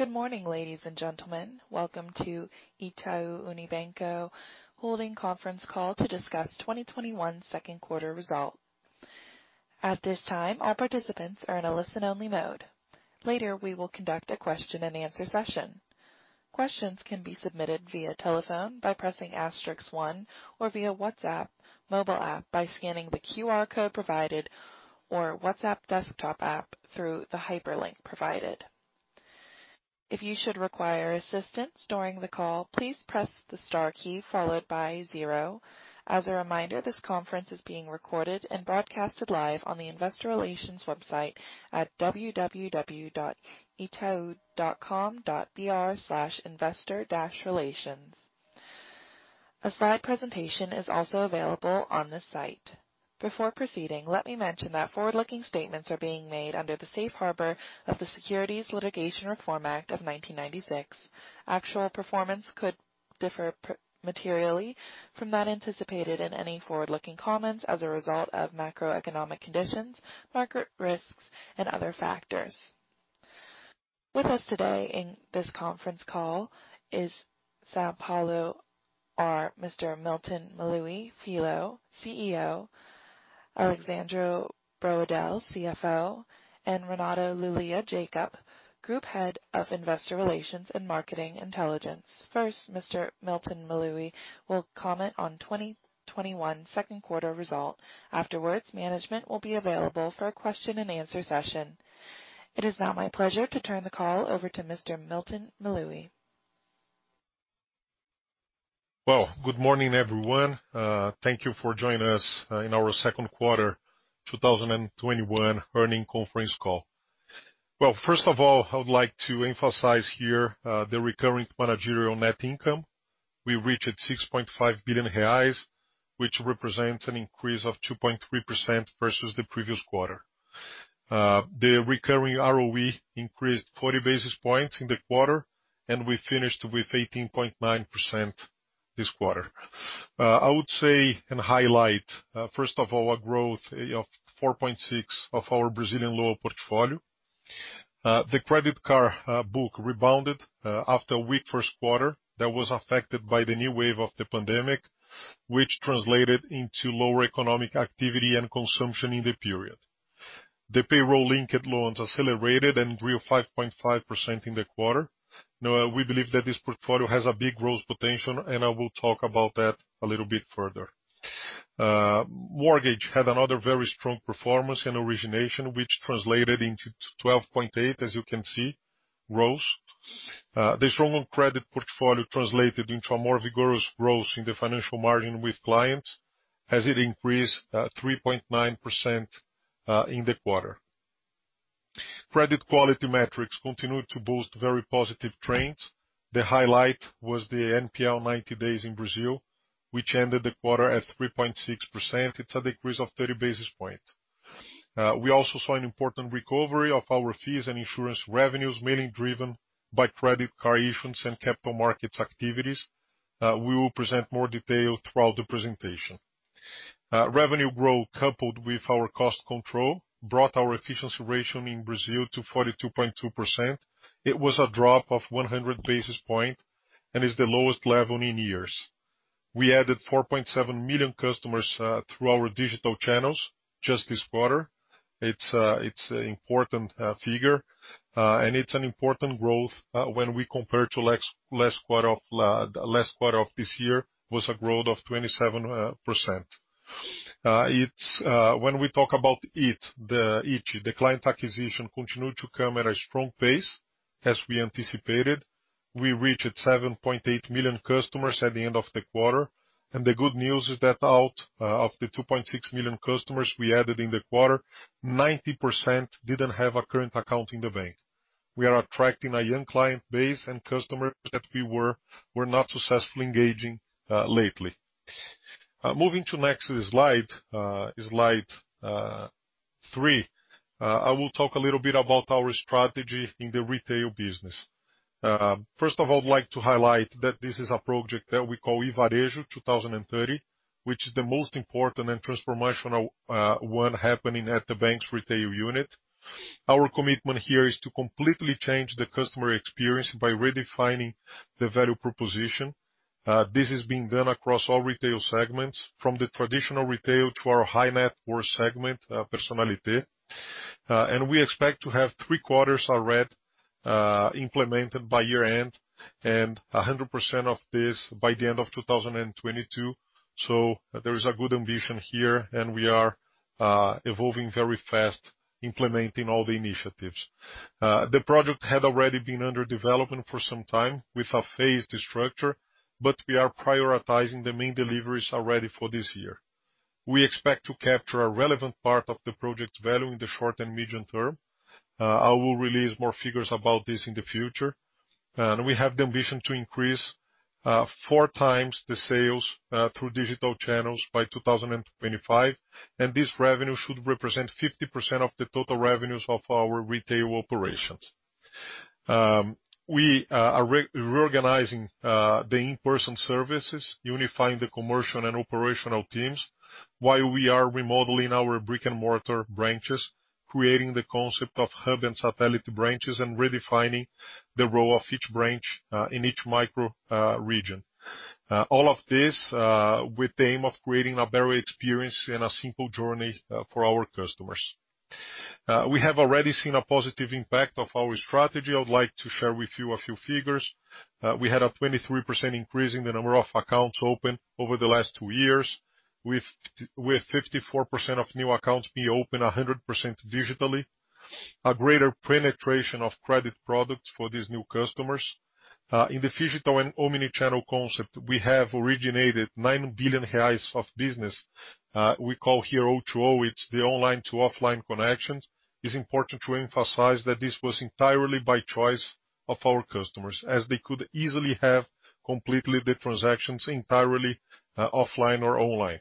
Good morning, ladies and gentlemen. Welcome to Itaú Unibanco Holding conference call to discuss 2021 second quarter result. At this time, all participants are in a listen-only mode. Later, we will conduct a question and answer session. Questions can be submitted via telephone by pressing asterisk one, or via WhatsApp mobile app by scanning the QR code provided, or WhatsApp desktop app through the hyperlink provided. If you should require assistance during the call, please press the star key followed by zero. As a reminder, this conference is being recorded and broadcasted live on the investor relations website at www.itau.com.br/investor-relations. A slide presentation is also available on this site. Before proceeding, let me mention that forward-looking statements are being made under the safe harbor of the Private Securities Litigation Reform Act of 1995. Actual performance could differ materially from that anticipated in any forward-looking comments as a result of macroeconomic conditions, market risks, and other factors. With us today in this conference call is São Paulo are Mr. Milton Maluhy Filho, CEO, Alexsandro Broedel, CFO, and Renato Lulia Jacob, Group Head of Investor Relations and Market Intelligence. First, Mr. Milton Maluhy will comment on 2021 second quarter result. Afterwards, management will be available for a question and answer session. It is now my pleasure to turn the call over to Mr. Milton Maluhy. Well, good morning, everyone. Thank you for joining us in our second quarter 2021 earnings conference call. Well, first of all, I would like to emphasize here the recurring managerial net income. We reached 6.5 billion reais, which represents an increase of 2.3% versus the previous quarter. The recurring ROE increased 40 basis points in the quarter, and we finished with 18.9% this quarter. I would say and highlight, first of all, a growth of 4.6% of our Brazilian loan portfolio. The credit card book rebounded after a weak first quarter that was affected by the new wave of the pandemic, which translated into lower economic activity and consumption in the period. The payroll-linked loans accelerated and grew 5.5% in the quarter. Now, we believe that this portfolio has a big growth potential, and I will talk about that a little bit further. Mortgage had another very strong performance in origination, which translated into 12.8% as you can see, growth. The stronger credit portfolio translated into a more vigorous growth in the financial margin with clients as it increased 3.9% in the quarter. Credit quality metrics continued to boast very positive trends. The highlight was the NPL 90 days in Brazil, which ended the quarter at 3.6%. It's a decrease of 30 basis points. We also saw an important recovery of our fees and insurance revenues, mainly driven by credit card issuance and capital markets activities. We will present more detail throughout the presentation. Revenue growth, coupled with our cost control, brought our efficiency ratio in Brazil to 42.2%. It was a drop of 100 basis points and is the lowest level in years. We added 4.7 million customers through our digital channels just this quarter. It's an important figure. It's an important growth when we compare to last quarter of this year, was a growth of 27%. When we talk about ITI, the client acquisition continued to come at a strong pace, as we anticipated. We reached 7.8 million customers at the end of the quarter, and the good news is that out of the 2.6 million customers we added in the quarter, 90% didn't have a current account in the bank. We are attracting a young client base and customers that we were not successfully engaging lately. Moving to next slide three. I will talk a little bit about our strategy in the retail business. First of all, I'd like to highlight that this is a Project 2030, which is the most important and transformational one happening at the bank's retail unit. Our commitment here is to completely change the customer experience by redefining the value proposition. This is being done across all retail segments, from the traditional retail to our high net worth segment, Personnalité. We expect to have three-quarters already implemented by year-end, and 100% of this by the end of 2022. There is a good ambition here, and we are evolving very fast, implementing all the initiatives. The project had already been under development for some time with a phased structure, but we are prioritizing the main deliveries already for this year. We expect to capture a relevant part of the project value in the short and medium term. I will release more figures about this in the future. We have the ambition to increase four times the sales through digital channels by 2025, and this revenue should represent 50% of the total revenues of our retail operations. We are reorganizing the in-person services, unifying the commercial and operational teams, while we are remodeling our brick-and-mortar branches, creating the concept of hub and satellite branches, and redefining the role of each branch, in each micro region. All of this with the aim of creating a better experience and a simple journey for our customers. We have already seen a positive impact of our strategy. I would like to share with you a few figures. We had a 23% increase in the number of accounts opened over the last two years, with 54% of new accounts being opened 100% digitally. A greater penetration of credit products for these new customers. In the Phygital and omni-channel concept, we have originated 9 billion reais of business. We call here O2O, it's the online to offline connections. It's important to emphasize that this was entirely by choice of our customers, as they could easily have completed the transactions entirely offline or online.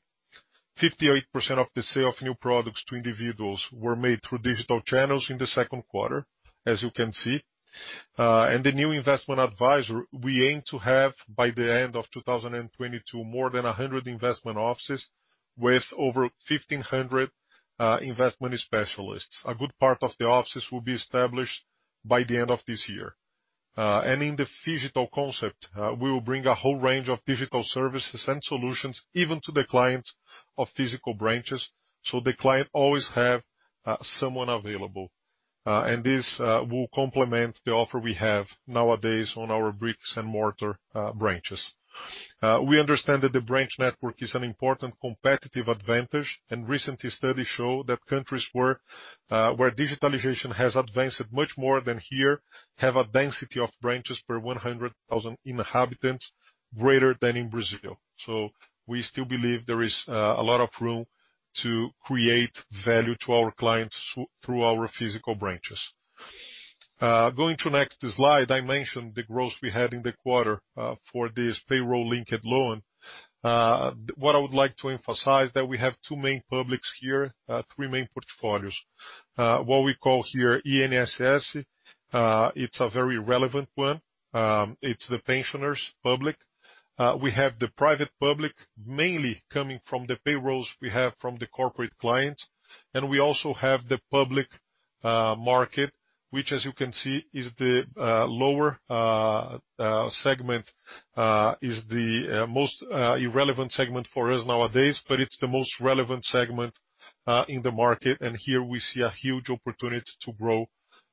58% of the sale of new products to individuals were made through digital channels in the second quarter, as you can see. The new investment advisor, we aim to have, by the end of 2022, more than 100 investment offices with over 1,500 investment specialists. A good part of the offices will be established by the end of this year. In the Phygital concept, we will bring a whole range of digital services and solutions even to the clients of physical branches, so the client always have someone available. This will complement the offer we have nowadays on our bricks and mortar branches. We understand that the branch network is an important competitive advantage, and recent studies show that countries where digitalization has advanced much more than here, have a density of branches per 100,000 inhabitants greater than in Brazil. We still believe there is a lot of room to create value to our clients through our physical branches. Going to next slide. I mentioned the growth we had in the quarter, for this payroll-linked loan. What I would like to emphasize, that we have two main publics here, three main portfolios. What we call here INSS, it's a very relevant one. It's the pensioners public. We have the private public, mainly coming from the payrolls we have from the corporate clients, and we also have the public market, which, as you can see, is the lower segment, is the most irrelevant segment for us nowadays. It's the most relevant segment, in the market, and here we see a huge opportunity to grow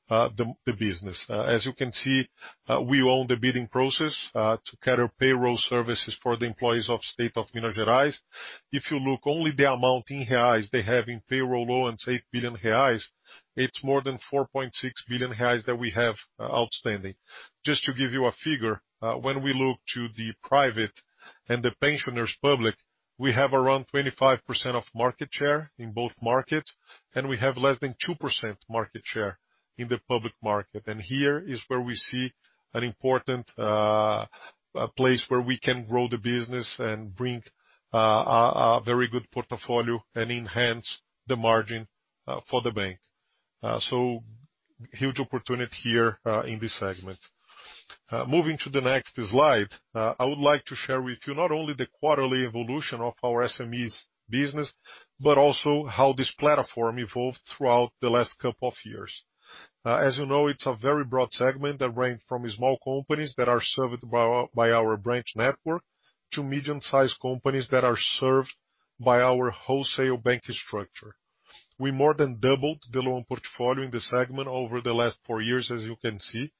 the business. As you can see, we own the bidding process, to cater payroll services for the employees of State of Minas Gerais. If you look only the amount in BRL they have in payroll loans, 8 billion reais, it's more than 4.6 billion reais that we have outstanding. Just to give you a figure, when we look to the private and the pensioners public, we have around 25% of market share in both markets, and we have less than 2% market share in the public market. Here is where we see an important place where we can grow the business and bring a very good portfolio and enhance the margin for the bank. Huge opportunity here in this segment. Moving to the next slide. I would like to share with you not only the quarterly evolution of our SMEs business, but also how this platform evolved throughout the last couple of years. As you know, it's a very broad segment that range from small companies that are served by our branch network, to medium-sized companies that are served by our wholesale bank structure. We more than doubled the loan portfolio in this segment over the last four years, as you can see.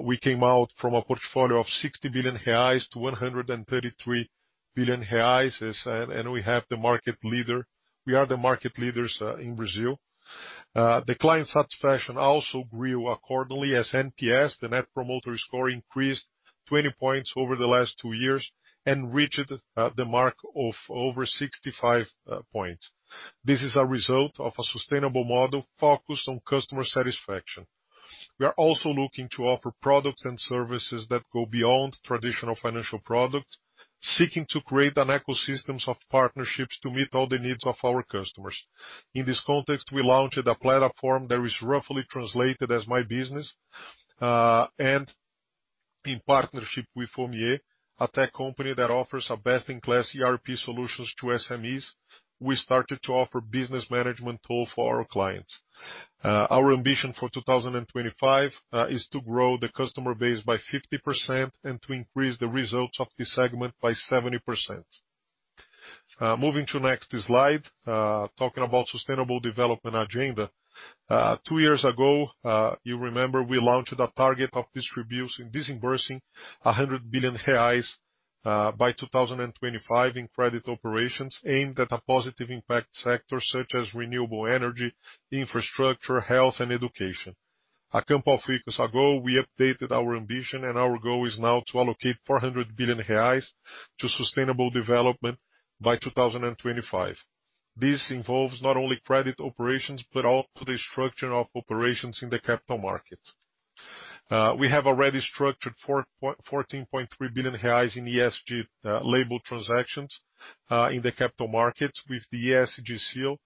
We came out from a portfolio of 60 billion reais to 133 billion reais, and we are the market leaders in Brazil. The client satisfaction also grew accordingly as NPS, the Net Promoter Score, increased 20 points over the last two years and reached the mark of over 65 points. This is a result of a sustainable model focused on customer satisfaction. We are also looking to offer products and services that go beyond traditional financial products, seeking to create an ecosystems of partnerships to meet all the needs of our customers. In this context, we launched a platform that is roughly translated as My Business, and in partnership with Omie, a tech company that offers a best-in-class ERP solutions to SMEs, we started to offer business management tool for our clients. Our ambition for 2025 is to grow the customer base by 50% and to increase the results of this segment by 70%. Moving to next slide, talking about sustainable development agenda. Two years ago, you remember, we launched a target of distributing, disbursing 100 billion reais by 2025 in credit operations aimed at a positive impact sector such as renewable energy, infrastructure, health, and education. A couple of weeks ago, we updated our ambition. Our goal is now to allocate 400 billion reais to sustainable development by 2025. This involves not only credit operations, but also the structure of operations in the capital market. We have already structured 14.3 billion reais in ESG-labeled transactions, in the capital markets with the ESG seal.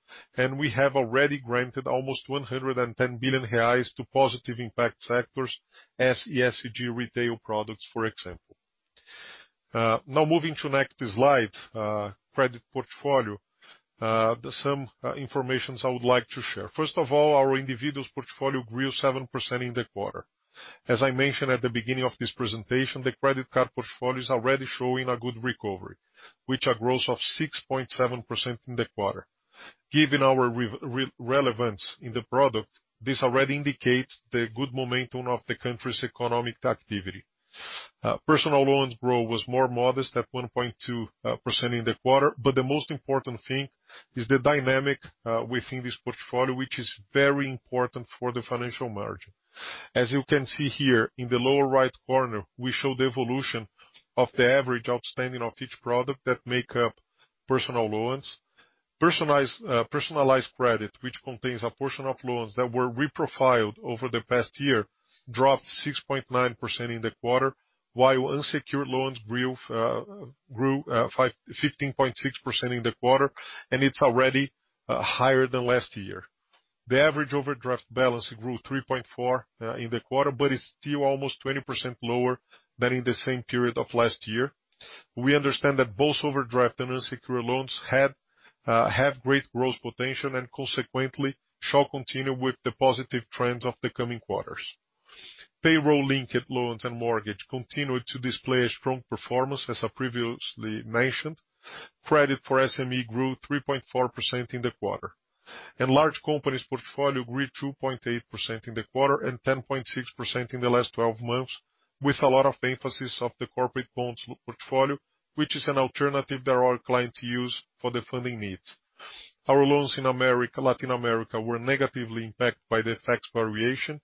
We have already granted almost 110 billion reais to positive impact sectors as ESG retail products, for example. Now moving to next slide, credit portfolio. There's some information I would like to share. First of all, our individuals portfolio grew 7% in the quarter. As I mentioned at the beginning of this presentation, the credit card portfolio is already showing a good recovery, with a growth of 6.7% in the quarter. Given our relevance in the product, this already indicates the good momentum of the country's economic activity. Personal loans growth was more modest at 1.2% in the quarter, but the most important thing is the dynamic within this portfolio, which is very important for the financial margin. As you can see here in the lower right corner, we show the evolution of the average outstanding of each product that make up personal loans. Personalized credit, which contains a portion of loans that were reprofiled over the past year, dropped 6.9% in the quarter, while unsecured loans grew 15.6% in the quarter, and it's already higher than last year. The average overdraft balance grew 3.4% in the quarter, but is still almost 20% lower than in the same period of last year. We understand that both overdraft and unsecured loans have great growth potential and consequently, shall continue with the positive trends of the coming quarters. Payroll-linked loans and mortgage continued to display a strong performance, as I previously mentioned. Credit for SME grew 3.4% in the quarter, and large companies portfolio grew 2.8% in the quarter and 10.6% in the last 12 months, with a lot of emphasis of the corporate bonds portfolio, which is an alternative that our clients use for the funding needs. Our loans in Latin America were negatively impacted by the FX variation,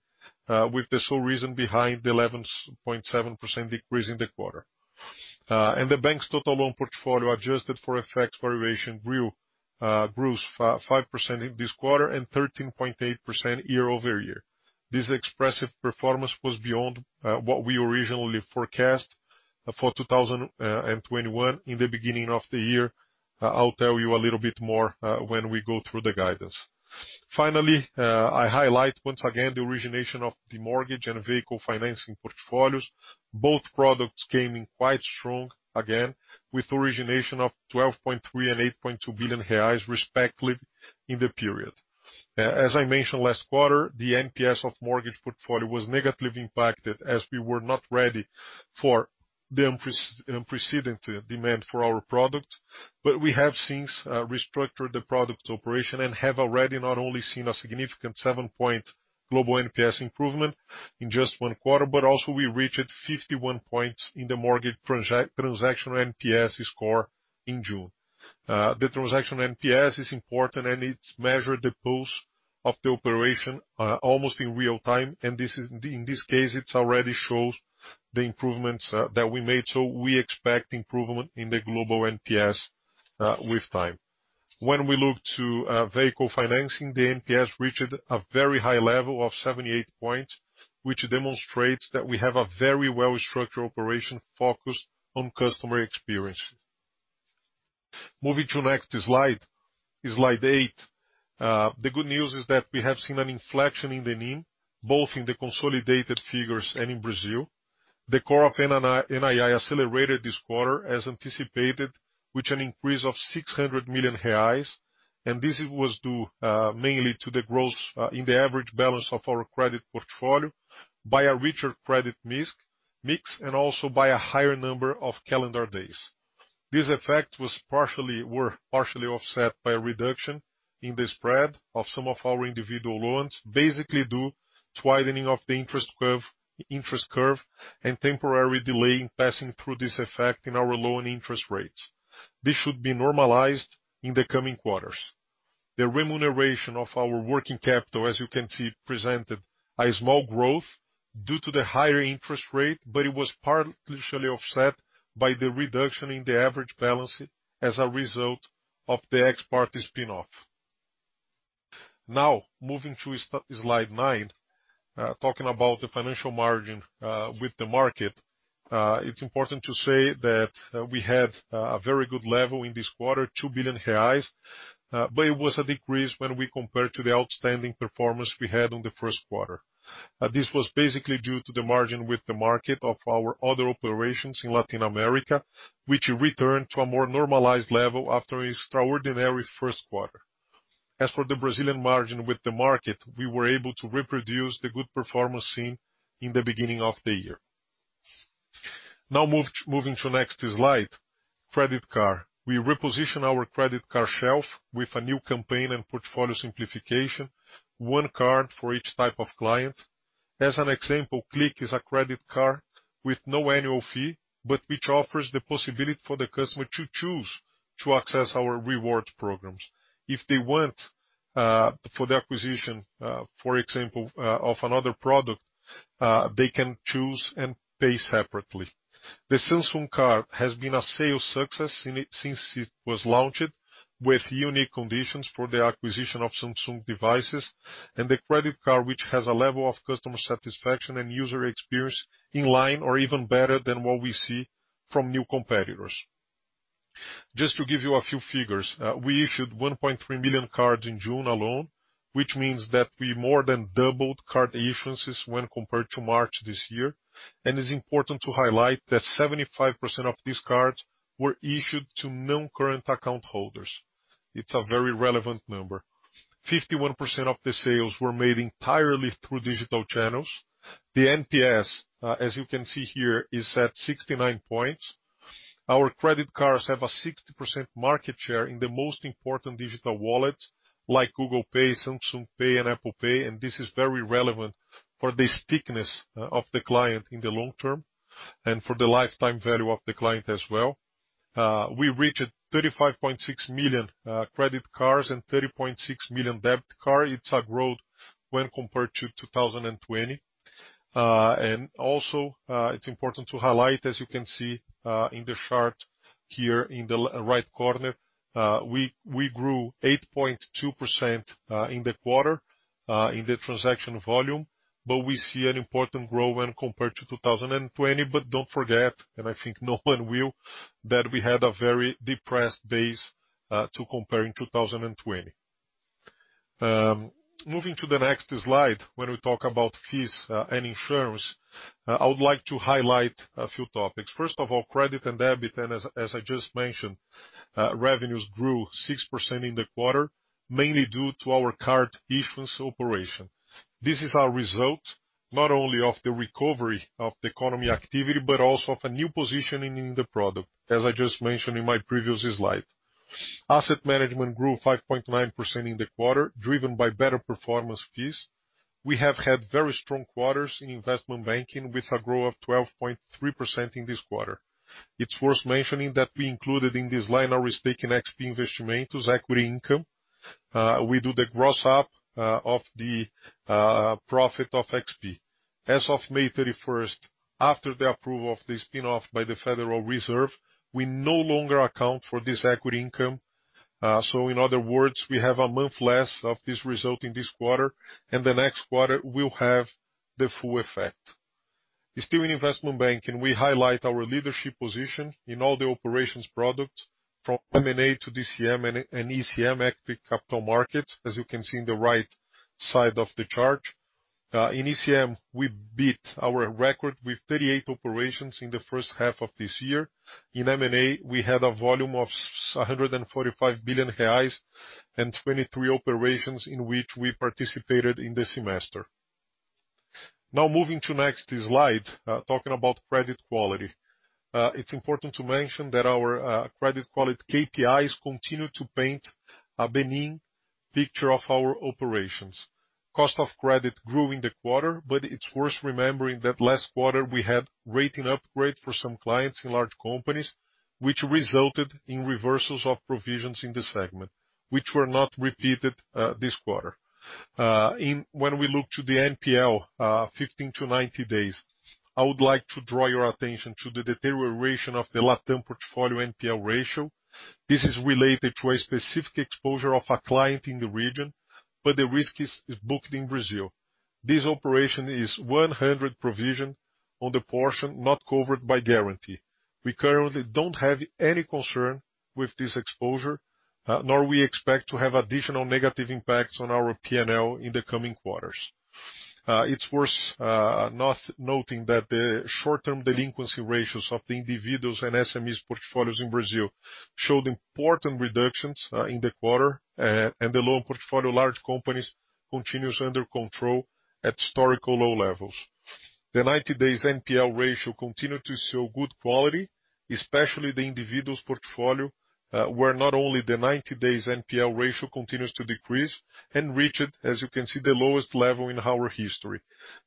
with the sole reason behind the 11.7% decrease in the quarter. The bank's total loan portfolio, adjusted for FX variation, grew 5% in this quarter and 13.8% year-over-year. This expressive performance was beyond what we originally forecast for 2021 in the beginning of the year. I'll tell you a little bit more when we go through the guidance. Finally, I highlight once again the origination of the mortgage and vehicle financing portfolios. Both products came in quite strong, again, with origination of 12.3 billion and 8.2 billion reais, respectively, in the period. As I mentioned last quarter, the NPS of mortgage portfolio was negatively impacted as we were not ready for the unprecedented demand for our product. We have since restructured the product operation and have already not only seen a significant seven-point global NPS improvement in just one quarter, but also we reached 51 points in the mortgage transaction NPS score in June. The transaction NPS is important, and it measures the pulse of the operation almost in real time. In this case, it already shows the improvements that we made, so we expect improvement in the global NPS with time. When we look to vehicle financing, the NPS reached a very high level of 78 points, which demonstrates that we have a very well-structured operation focused on customer experience. Moving to next slide, is slide 8. The good news is that we have seen an inflection in the NIM, both in the consolidated figures and in Brazil. The core of NII accelerated this quarter, as anticipated, with an increase of 600 million reais. This was due mainly to the growth in the average balance of our credit portfolio by a richer credit mix, and also by a higher number of calendar days. This effect was partially offset by a reduction in the spread of some of our individual loans, basically due to widening of the interest curve and temporary delay in passing through this effect in our loan interest rates. This should be normalized in the coming quarters. The remuneration of our working capital, as you can see, presented a small growth due to the higher interest rate, but it was partially offset by the reduction in the average balance as a result of the XP's spin-off. Moving to slide nine. Talking about the financial margin with the market, it is important to say that we had a very good level in this quarter, 2 billion reais, but it was a decrease when we compare to the outstanding performance we had on the first quarter. This was basically due to the margin with the market of our other operations in Latin America, which returned to a more normalized level after an extraordinary 1st quarter. As for the Brazilian margin with the market, we were able to reproduce the good performance seen in the beginning of the year. Now, moving to next slide. Credit card. We repositioned our credit card shelf with a new campaign and portfolio simplification, one card for each type of client. As an example, Click is a credit card with no annual fee, but which offers the possibility for the customer to choose to access our rewards programs. If they want, for the acquisition, for example, of another product, they can choose and pay separately. The Samsung card has been a sales success since it was launched, with unique conditions for the acquisition of Samsung devices, and the credit card, which has a level of customer satisfaction and user experience in line or even better than what we see from new competitors. Just to give you a few figures, we issued 1.3 million cards in June alone, which means that we more than doubled card issuances when compared to March this year. It's important to highlight that 75% of these cards were issued to non-current account holders. It's a very relevant number. 51% of the sales were made entirely through digital channels. The NPS, as you can see here, is at 69 points. Our credit cards have a 60% market share in the most important digital wallets like Google Pay, Samsung Pay, and Apple Pay, and this is very relevant for the stickiness of the client in the long term, and for the lifetime value of the client as well. We reached 35.6 million credit cards and 30.6 million debit cards. It's a growth when compared to 2020. Also, it's important to highlight, as you can see in the chart here in the right corner, we grew 8.2% in the quarter in the transaction volume, but we see an important growth when compared to 2020. Don't forget, and I think no one will, that we had a very depressed base to compare in 2020. Moving to the next slide, when we talk about fees and insurance, I would like to highlight a few topics. First of all, credit and debit, and as I just mentioned, revenues grew 6% in the quarter, mainly due to our card issuance operation. This is a result not only of the recovery of the economy activity, but also of a new positioning in the product, as I just mentioned in my previous slide. Asset management grew 5.9% in the quarter, driven by better performance fees. We have had very strong quarters in investment banking with a growth of 12.3% in this quarter. It's worth mentioning that we included in this line our stake in XP Investimentos equity income. We do the gross-up, of the profit of XP. As of May 31st, after the approval of the spinoff by the Federal Reserve, we no longer account for this equity income. In other words, we have a month less of this result in this quarter, and the next quarter will have the full effect. Still in investment banking, we highlight our leadership position in all the operations products from M&A to DCM and ECM, equity capital markets, as you can see in the right side of the chart. In ECM, we beat our record with 38 operations in the first half of this year. In M&A, we had a volume of 145 billion reais and 23 operations in which we participated in the semester. Moving to next slide, talking about credit quality. It's important to mention that our credit quality KPIs continue to paint a benign picture of our operations. Cost of credit grew in the quarter, but it's worth remembering that last quarter we had rating upgrade for some clients in large companies, which resulted in reversals of provisions in this segment, which were not repeated this quarter. When we look to the NPL, 15 to 90 days, I would like to draw your attention to the deterioration of the LATAM portfolio NPL ratio. This is related to a specific exposure of a client in the region, but the risk is booked in Brazil. This operation is 100 provisioned on the portion not covered by guarantee. We currently don't have any concern with this exposure, nor we expect to have additional negative impacts on our P&L in the coming quarters. It's worth noting that the short-term delinquency ratios of the individuals and SMEs portfolios in Brazil showed important reductions in the quarter, and the loan portfolio large companies continues under control at historical low levels. The 90 days NPL ratio continued to show good quality, especially the individual's portfolio, where not only the 90 days NPL ratio continues to decrease and reached, as you can see, the lowest level in our history.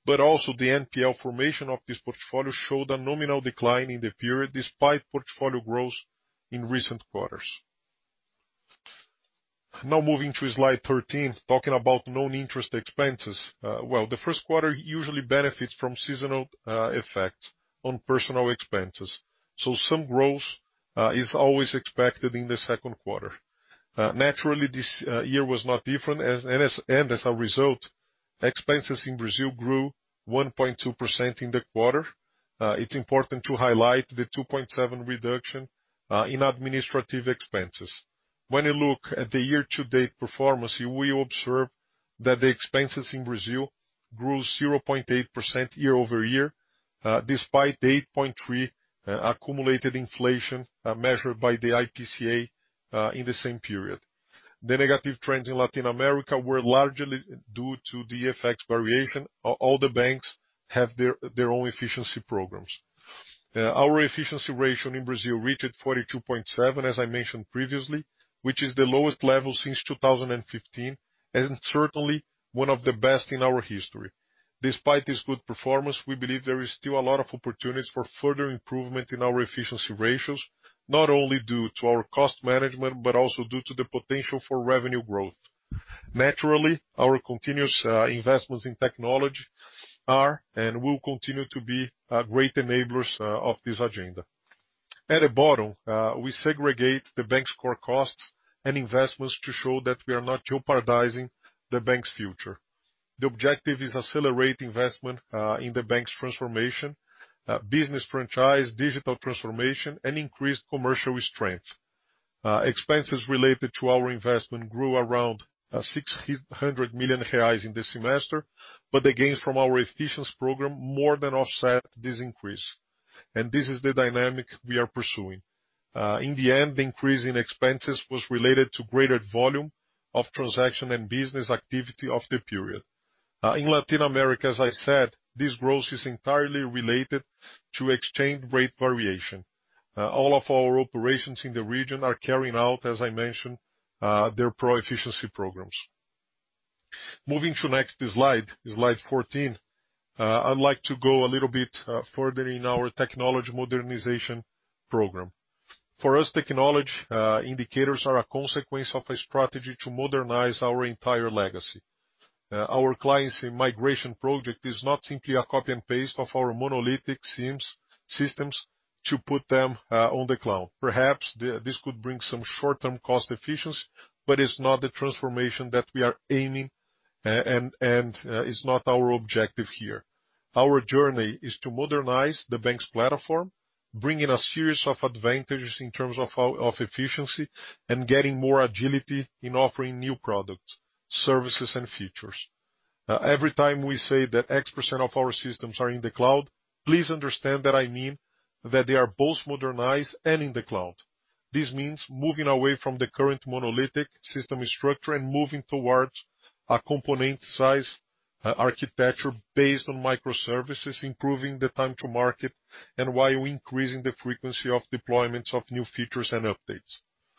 Also the NPL formation of this portfolio showed a nominal decline in the period despite portfolio growth in recent quarters. Moving to slide 13, talking about non-interest expenses. The first quarter usually benefits from seasonal effects on personal expenses, so some growth is always expected in the second quarter. Naturally, this year was not different and as a result, expenses in Brazil grew 1.2% in the quarter. It's important to highlight the 2.7 reduction in administrative expenses. When you look at the year-to-date performance, you will observe that the expenses in Brazil grew 0.8% year-over-year, despite the 8.3 accumulated inflation, measured by the IPCA, in the same period. The negative trends in Latin America were largely due to the FX variation. All the banks have their own efficiency programs. Our efficiency ratio in Brazil reached 42.7, as I mentioned previously, which is the lowest level since 2015, and certainly one of the best in our history. Despite this good performance, we believe there is still a lot of opportunities for further improvement in our efficiency ratios, not only due to our cost management, but also due to the potential for revenue growth. Naturally, our continuous investments in technology are, and will continue to be great enablers of this agenda. At the bottom, we segregate the bank's core costs and investments to show that we are not jeopardizing the bank's future. The objective is accelerate investment, in the bank's transformation, business franchise, digital transformation, and increased commercial strength. The gains from our efficiency program more than offset this increase. This is the dynamic we are pursuing. In the end, the increase in expenses was related to greater volume of transaction and business activity of the period. In Latin America, as I said, this growth is entirely related to exchange rate variation. All of our operations in the region are carrying out, as I mentioned, their pro-efficiency programs. Moving to next slide 14. I'd like to go a little bit further in our technology modernization program. For us, technology indicators are a consequence of a strategy to modernize our entire legacy. Our clients' migration project is not simply a copy and paste of our monolithic SIM systems to put them on the cloud. Perhaps this could bring some short-term cost efficiency, but it's not the transformation that we are aiming for and is not our objective here. Our journey is to modernize the bank's platform, bring in a series of advantages in terms of efficiency, and getting more agility in offering new products, services, and features. Every time we say that X percent of our systems are in the cloud, please understand that I mean that they are both modernized and in the cloud. This means moving away from the current monolithic system structure and moving towards a component size, architecture based on microservices, improving the time to market, while increasing the frequency of deployments of new features and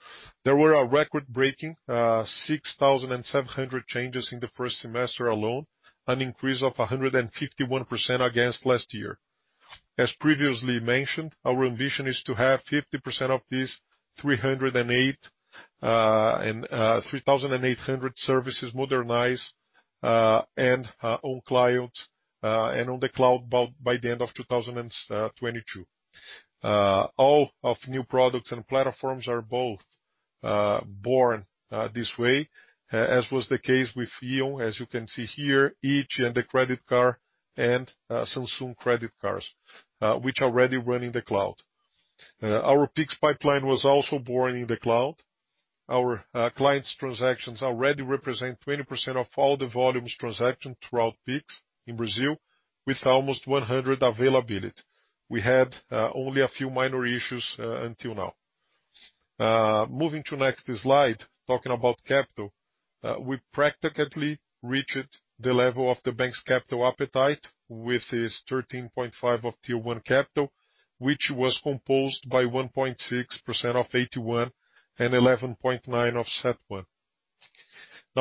updates. There were a record-breaking 6,700 changes in the first semester alone, an increase of 151% against last year. As previously mentioned, our ambition is to have 50% of these 3,800 services modernized and on the cloud by the end of 2022. All of new products and platforms are both born this way, as was the case with Ion, as you can see here, each and the credit card and Samsung credit cards, which already run in the cloud. Our Pix pipeline was also born in the cloud. Our clients' transactions already represent 20% of all the volumes transaction throughout Pix in Brazil, with almost 100% availability. We had only a few minor issues until now. Moving to next slide, talking about capital. We practically reached the level of the bank's capital appetite with its 13.5 of Tier 1 capital, which was composed by 1.6% of AT1 and 11.9 of CET1.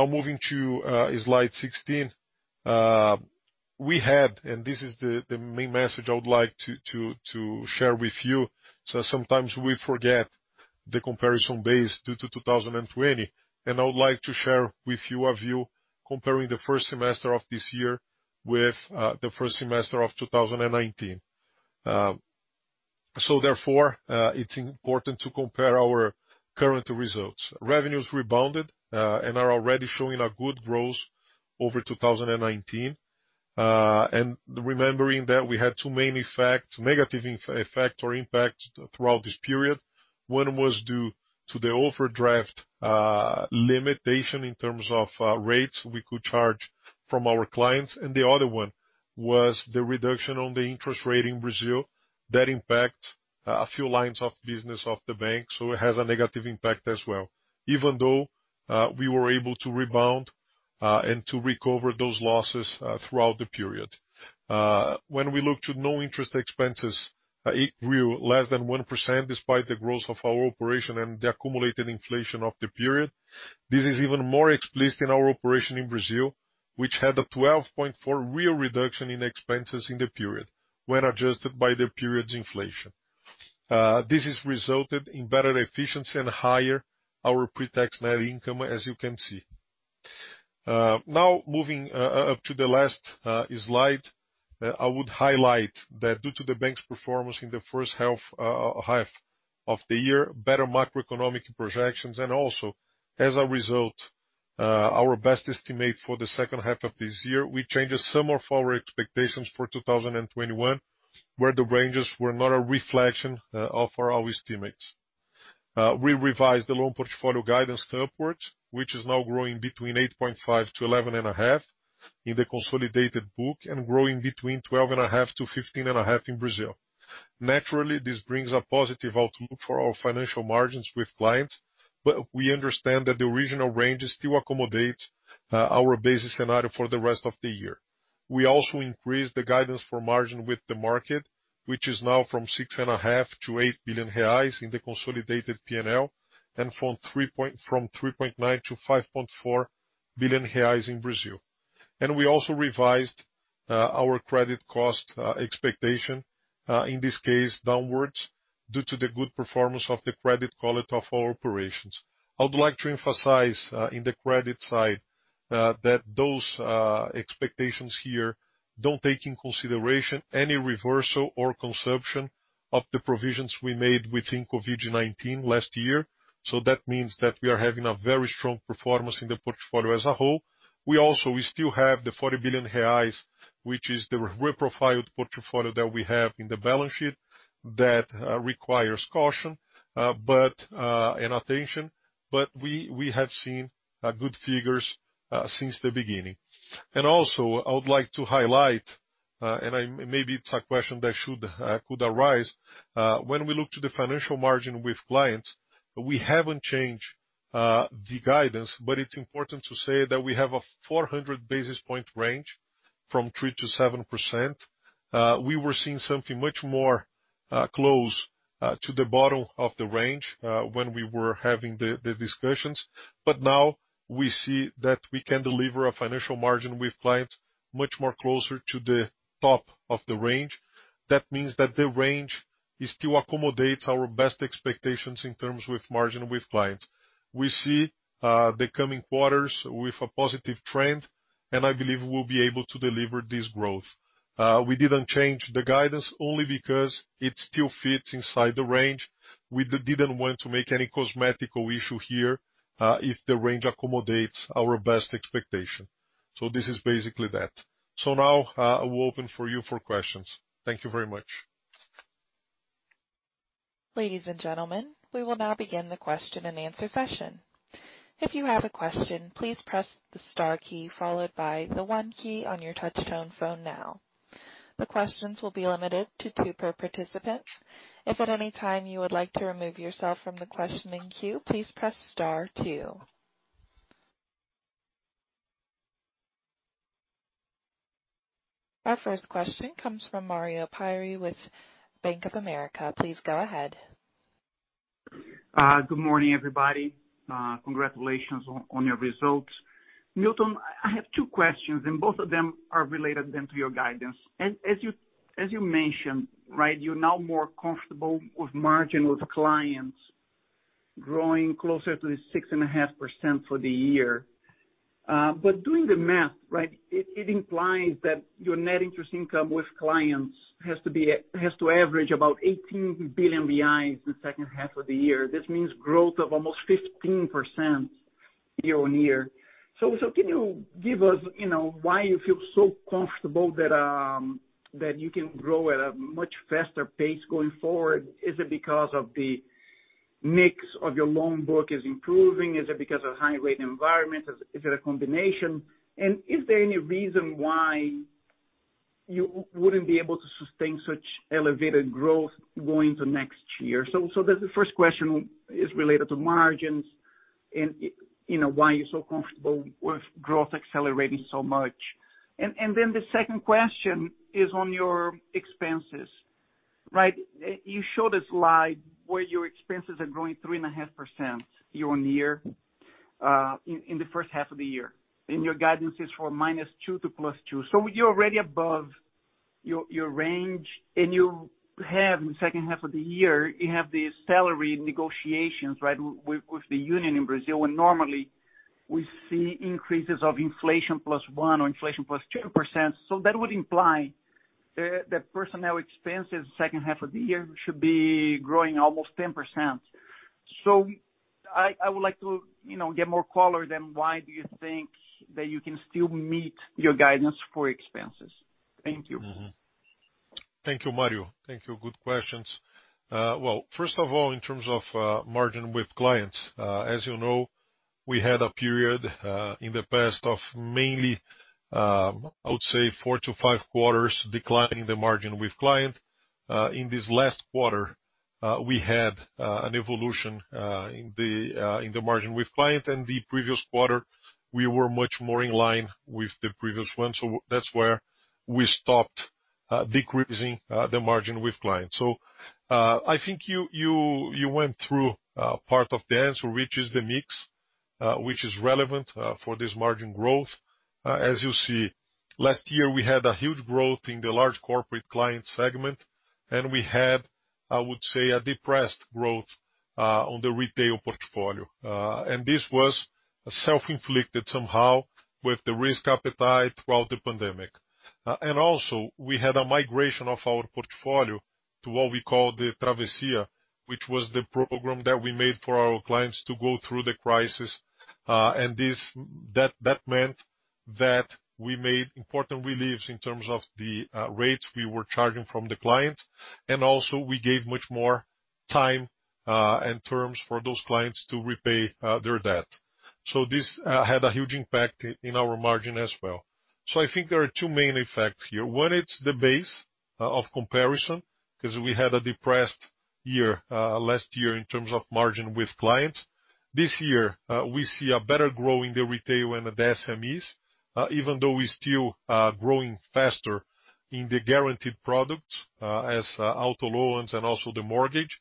Moving to slide 16. We had, and this is the main message I would like to share with you. Sometimes we forget the comparison base due to 2020, and I would like to share with you, comparing the first semester of this year with the first semester of 2019. Therefore, it's important to compare our current results. Revenues rebounded and are already showing a good growth over 2019. Remembering that we had two main effects, negative effect or impact throughout this period. One was due to the overdraft limitation in terms of rates we could charge from our clients. The other one was the reduction on the interest rate in Brazil that impact a few lines of business of the bank. It has a negative impact as well, even though we were able to rebound and to recover those losses throughout the period. When we look to non-interest expenses, it grew less than 1% despite the growth of our operation and the accumulated inflation of the period. This is even more explicit in our operation in Brazil, which had a 12.4 real reduction in expenses in the period when adjusted by the period's inflation. This has resulted in better efficiency and higher our pre-tax net income, as you can see. Moving up to the last slide, I would highlight that due to the bank's performance in the first half of the year, better macroeconomic projections, and also, as a result, our best estimate for the second half of this year, we changed some of our expectations for 2021, where the ranges were not a reflection of our estimates. We revised the loan portfolio guidance upwards, which is now growing between 8.5%-11.5% in the consolidated book and growing between 12.5%-15.5% in Brazil. Naturally, this brings a positive outlook for our financial margins with clients, but we understand that the original ranges still accommodate our basic scenario for the rest of the year. We also increased the guidance for margin with the market, which is now from 6.5 billion-8 billion reais in the consolidated P&L and from 3.9 billion-5.4 billion reais in Brazil. We also revised our credit cost expectation, in this case, downwards due to the good performance of the credit quality of our operations. I would like to emphasize, in the credit side, that those expectations here don't take into consideration any reversal or consumption of the provisions we made with COVID-19 last year. That means that we are having a very strong performance in the portfolio as a whole. We still have the 40 billion reais, which is the reprofiled portfolio that we have in the balance sheet that requires caution and attention. We have seen good figures since the beginning. Also, I would like to highlight. Maybe it's a question that could arise. When we look to the financial margin with clients, we haven't changed the guidance, but it's important to say that we have a 400 basis points range from 3%-7%. We were seeing something much more close to the bottom of the range when we were having the discussions. Now we see that we can deliver a financial margin with clients much more closer to the top of the range. That means that the range still accommodates our best expectations in terms with margin with clients. We see the coming quarters with a positive trend, and I believe we'll be able to deliver this growth. We didn't change the guidance, only because it still fits inside the range. We didn't want to make any cosmetic issue here, if the range accommodates our best expectation. This is basically that. Now, I will open for you for questions. Thank you very much. Ladies and gentlemen, we will now begin the question and answer session. If you have a question, please press the star key, followed by the one key on your touchtone phone now. The questions will be limited to two per participant. If at any time you would like to remove yourself from the questioning queue, please press star two. Our first question comes from Mario Pierry with Bank of America. Please go ahead. Good morning, everybody. Congratulations on your results. Milton, I have two questions, and both of them are related then to your guidance. As you mentioned, right, you are now more comfortable with margin with clients growing closer to the 6.5% for the year. Doing the math, right, it implies that your net interest income with clients has to average about 18 billion the second half of the year. This means growth of almost 15% year-on-year. Can you give us why you feel so comfortable that you can grow at a much faster pace going forward? Is it because of the mix of your loan book is improving? Is it because of high rate environment? Is it a combination? Is there any reason why you wouldn't be able to sustain such elevated growth going to next year? The first question is related to margins and why you're so comfortable with growth accelerating so much. The second question is on your expenses, right? You show the slide where your expenses are growing 3.5% year-on-year, in the first half of the year. Your guidance is for -2% to +2%. You're already above your range, and you have in the second half of the year, you have the salary negotiations, right, with the union in Brazil. Normally we see increases of inflation plus 1% or inflation plus 2%, that would imply that personnel expenses second half of the year should be growing almost 10%. I would like to get more color then, why do you think that you can still meet your guidance for expenses? Thank you. Thank you, Mario. Thank you. Good questions. Well, first of all, in terms of margin with clients, as you know, we had a period, in the past of mainly, I would say four-five quarters declining the margin with client. In this last quarter, we had an evolution in the margin with client and the previous quarter, we were much more in line with the previous one. That's where we stopped decreasing the margin with clients. I think you went through part of the answer, which is the mix, which is relevant for this margin growth. As you see, last year we had a huge growth in the large corporate client segment, and we had, I would say, a depressed growth on the retail portfolio. This was self-inflicted somehow with the risk appetite throughout the pandemic. Also we had a migration of our portfolio to what we call the Travessia, which was the program that we made for our clients to go through the crisis. That meant that we made important reliefs in terms of the rates we were charging from the client. Also we gave much more time and terms for those clients to repay their debt. This had a huge impact in our margin as well. I think there are two main effects here. One, it's the base of comparison, because we had a depressed year last year in terms of margin with clients. This year, we see a better grow in the retail and the SMEs, even though we still are growing faster in the guaranteed products, as auto loans and also the mortgage.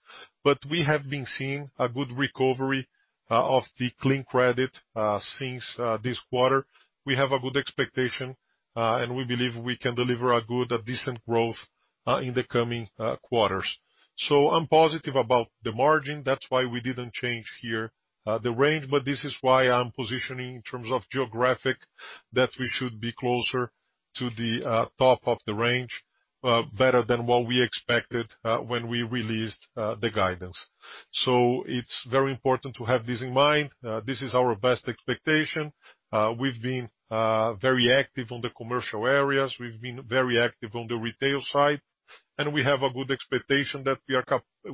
We have been seeing a good recovery of the clean credit since this quarter. We have a good expectation, and we believe we can deliver a good, a decent growth in the coming quarters. I'm positive about the margin. That's why we didn't change here the range, but this is why I'm positioning in terms of geographic, that we should be closer to the top of the range, better than what we expected when we released the guidance. It's very important to have this in mind. This is our best expectation. We've been very active on the commercial areas. We've been very active on the retail side. We have a good expectation that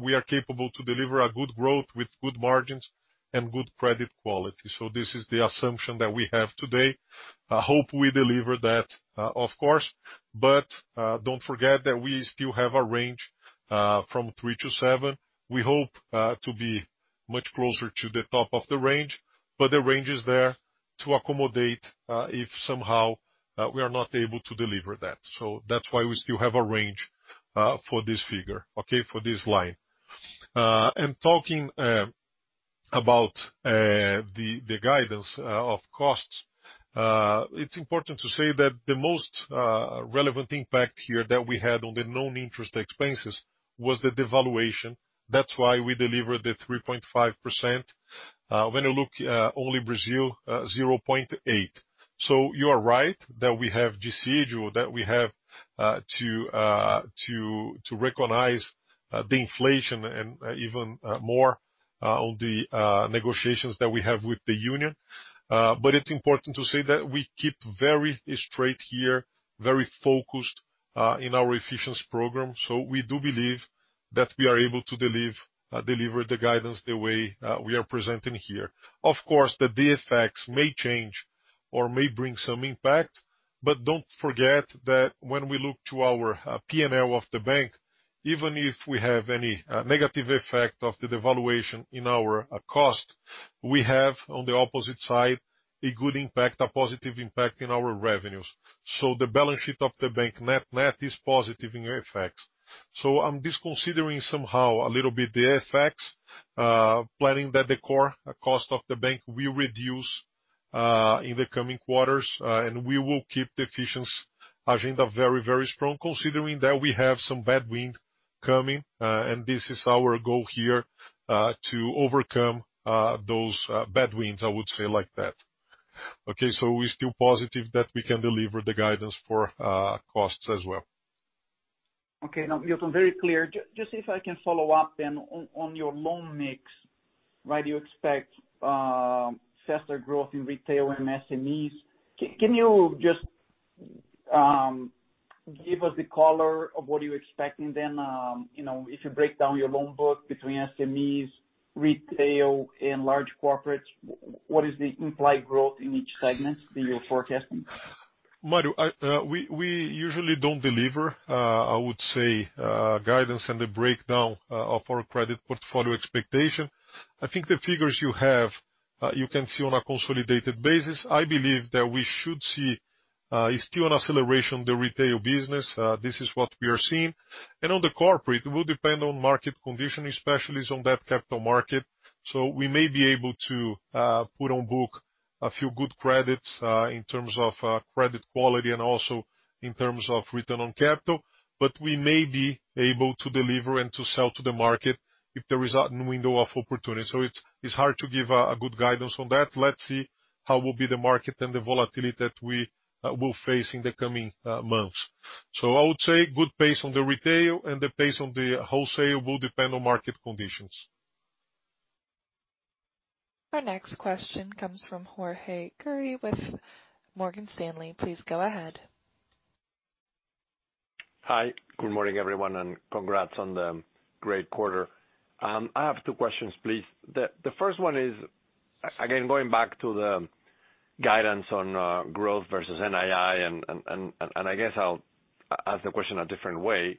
we are capable to deliver a good growth with good margins and good credit quality. This is the assumption that we have today. I hope we deliver that, of course. Don't forget that we still have a range from three to seven. We hope to be much closer to the top of the range, but the range is there to accommodate, if somehow we are not able to deliver that. That's why we still have a range for this figure. Okay? For this line. Talking about the guidance of costs, it's important to say that the most relevant impact here that we had on the non-interest expenses was the devaluation. That's why we delivered the 3.5%. When you look only Brazil, 0.8. You are right that we have GSIJU, that we have to recognize the inflation and even more on the negotiations that we have with the union. It's important to say that we keep very straight here, very focused, in our efficiency program. We do believe that we are able to deliver the guidance the way we are presenting here. Of course, the effects may change or may bring some impact, but don't forget that when we look to our P&L of the bank, even if we have any negative effect of the devaluation in our cost, we have, on the opposite side, a good impact, a positive impact in our revenues. The balance sheet of the bank net is positive in effects. I'm disconsidering somehow a little bit the effects, planning that the core cost of the bank will reduce in the coming quarters, and we will keep the efficiency agenda very, very strong, considering that we have some bad wind coming. This is our goal here, to overcome those bad winds, I would say like that. Okay, we're still positive that we can deliver the guidance for costs as well. Okay. Milton, very clear. Just if I can follow up on your loan mix, why do you expect faster growth in retail and SMEs? Can you just give us the color of what you're expecting then? If you break down your loan book between SMEs, retail, and large corporates, what is the implied growth in each segment that you're forecasting? Mario, we usually don't deliver, I would say, guidance and the breakdown of our credit portfolio expectation. I think the figures you have, you can see on a consolidated basis. I believe that we should see still an acceleration the retail business. This is what we are seeing. On the corporate, it will depend on market condition, especially on that capital market. We may be able to put on book a few good credits, in terms of credit quality and also in terms of return on capital. We may be able to deliver and to sell to the market if there is a new window of opportunity. It's hard to give a good guidance on that. Let's see how will be the market and the volatility that we will face in the coming months. I would say good pace on the retail and the pace on the wholesale will depend on market conditions. Our next question comes from Jorge Kuri with Morgan Stanley. Please go ahead. Hi, good morning, everyone, and congrats on the great quarter. I have two questions, please. The first one is, again, going back to the guidance on growth versus NII and I guess I'll ask the question a different way.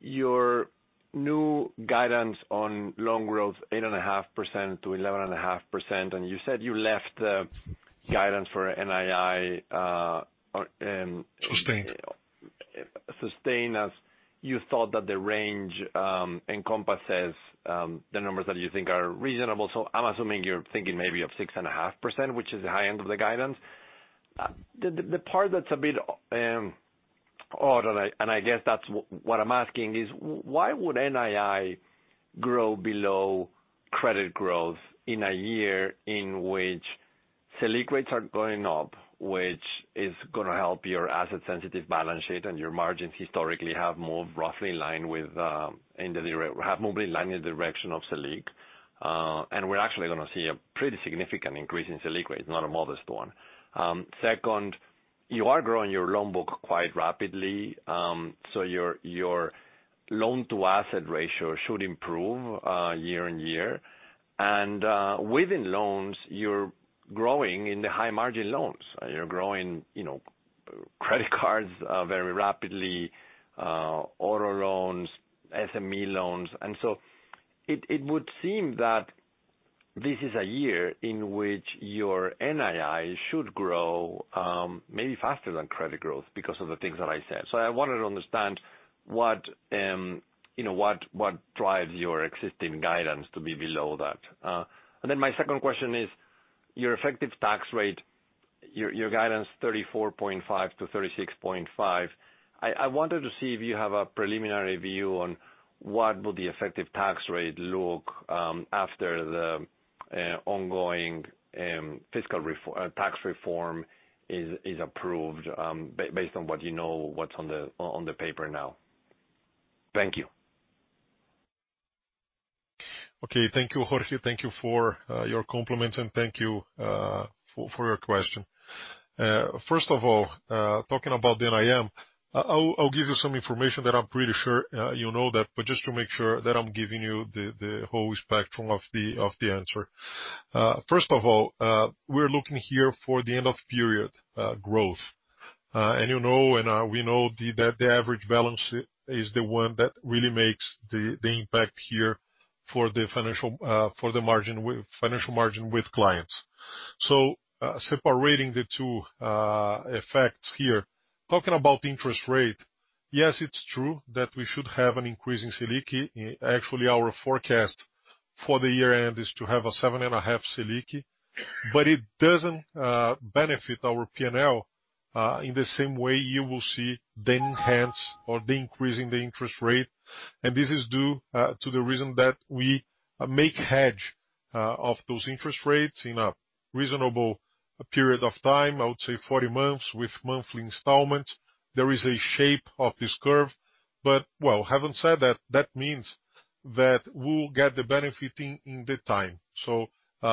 Your new guidance on loan growth 8.5%-11.5%. You said you left the guidance for NII. Sustained sustained as you thought that the range encompasses the numbers that you think are reasonable. I'm assuming you're thinking maybe of 6.5%, which is the high end of the guidance. The part that's a bit odd, and I guess that's what I'm asking, is why would NII grow below credit growth in a year in which Selic rates are going up, which is going to help your asset-sensitive balance sheet and your margins historically have moved roughly in line with the direction of Selic. We're actually going to see a pretty significant increase in Selic rates, not a modest one. Second, you are growing your loan book quite rapidly, so your loan-to-asset ratio should improve year-on-year. Within loans, you're growing in the high-margin loans. You're growing credit cards very rapidly, auto loans, SME loans. It would seem that this is a year in which your NII should grow, maybe faster than credit growth because of the things that I said. I wanted to understand what drives your existing guidance to be below that. My second question is, your effective tax rate, your guidance 34.5%-36.5%. I wanted to see if you have a preliminary view on what will the effective tax rate look, after the ongoing tax reform is approved, based on what you know, what's on the paper now. Thank you. Thank you, Jorge. Thank you for your compliment, thank you for your question. First of all, talking about the NIM, I'll give you some information that I'm pretty sure you know, just to make sure that I'm giving you the whole spectrum of the answer. First of all, we're looking here for the end of period growth. We know that the average balance is the one that really makes the impact here for the financial margin with clients. Separating the two effects here. Talking about interest rate, yes, it's true that we should have an increase in Selic. Actually, our forecast for the year-end is to have a 7.5 Selic. It doesn't benefit our P&L in the same way you will see the enhance or the increase in the interest rate. This is due to the reason that we make hedge of those interest rates in a reasonable period of time, I would say 40 months with monthly installments. There is a shape of this curve. Well, having said that means that we'll get the benefit in the time.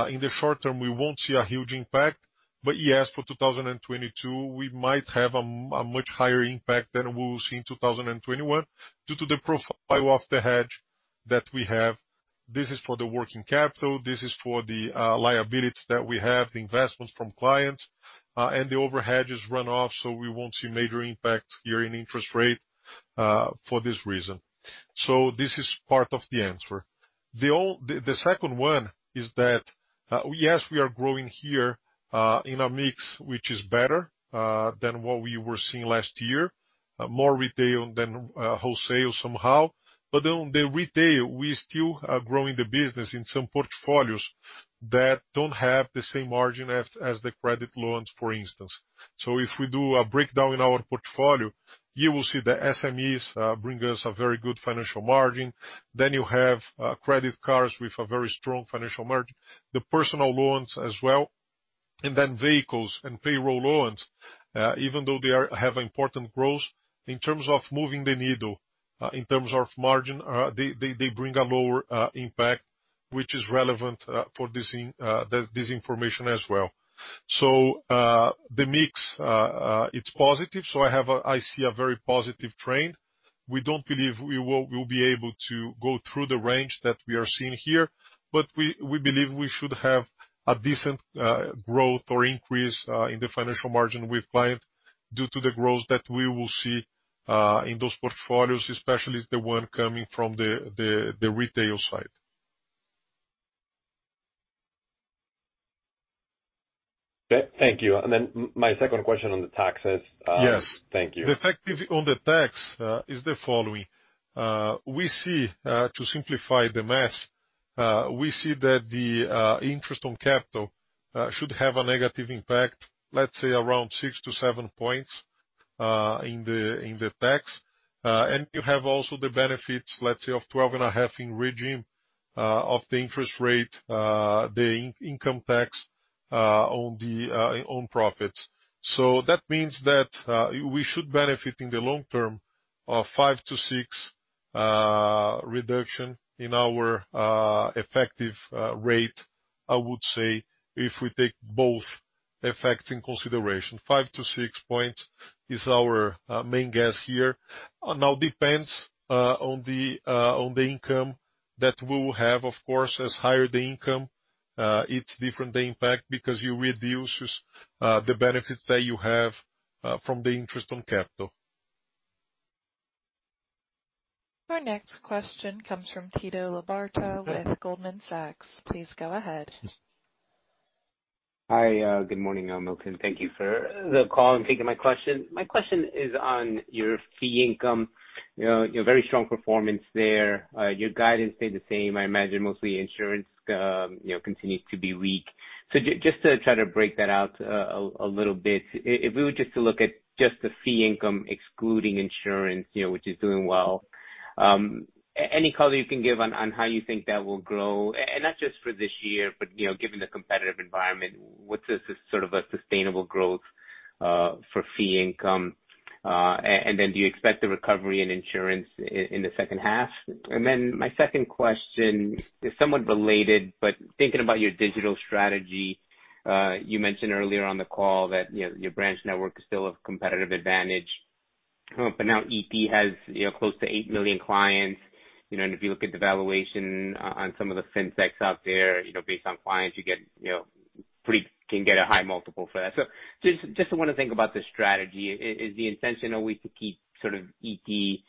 In the short term, we won't see a huge impact, but yes, for 2022, we might have a much higher impact than we will see in 2021 due to the profile of the hedge that we have. This is for the working capital, this is for the liabilities that we have, the investments from clients. The overhead has run off, so we won't see major impact here in interest rate for this reason. This is part of the answer. The second one is that, yes, we are growing here in a mix which is better than what we were seeing last year, more retail than wholesale somehow. On the retail, we still are growing the business in some portfolios that don't have the same margin as the credit loans, for instance. If we do a breakdown in our portfolio, you will see the SMEs bring us a very good financial margin. You have credit cards with a very strong financial margin, the personal loans as well, and vehicles and payroll loans, even though they have important growth in terms of moving the needle, in terms of margin, they bring a lower impact, which is relevant for this information as well. The mix, it's positive. I see a very positive trend. We don't believe we will be able to go through the range that we are seeing here, but we believe we should have a decent growth or increase in the financial margin with client due to the growth that we will see in those portfolios, especially the one coming from the retail side. Thank you. My second question on the taxes. Yes. Thank you. The effect on the tax is the following. To simplify the math, we see that the interest on capital should have a negative impact, let's say around six to seven points in the tax. You have also the benefits, let's say, of 12.5 in regime of the interest rate, the income tax on profits. That means that we should benefit in the long term of five to six reduction in our effective rate, I would say, if we take both effects in consideration. Five to six points is our main guess here. Now, depends on the income that we will have, of course, as higher the income, it's different the impact because you reduce the benefits that you have from the interest on capital. Our next question comes from Tito Labarta with Goldman Sachs. Please go ahead. Hi, good morning, Milton. Thank you for the call and taking my question. My question is on your fee income. Very strong performance there. Your guidance stayed the same. I imagine mostly insurance continues to be weak. Just to try to break that out a little bit, if we were just to look at just the fee income, excluding insurance which is doing well, any color you can give on how you think that will grow? Not just for this year, but given the competitive environment, what's the sort of a sustainable growth for fee income? Do you expect the recovery in insurance in the second half? My second question is somewhat related, but thinking about your digital strategy, you mentioned earlier on the call that your branch network is still a competitive advantage. Now ITI has close to 8 million clients. If you look at the valuation on some of the fintechs out there, based on clients, you can get a high multiple for that. Just to want to think about the strategy. Is the intention always to keep sort of ITI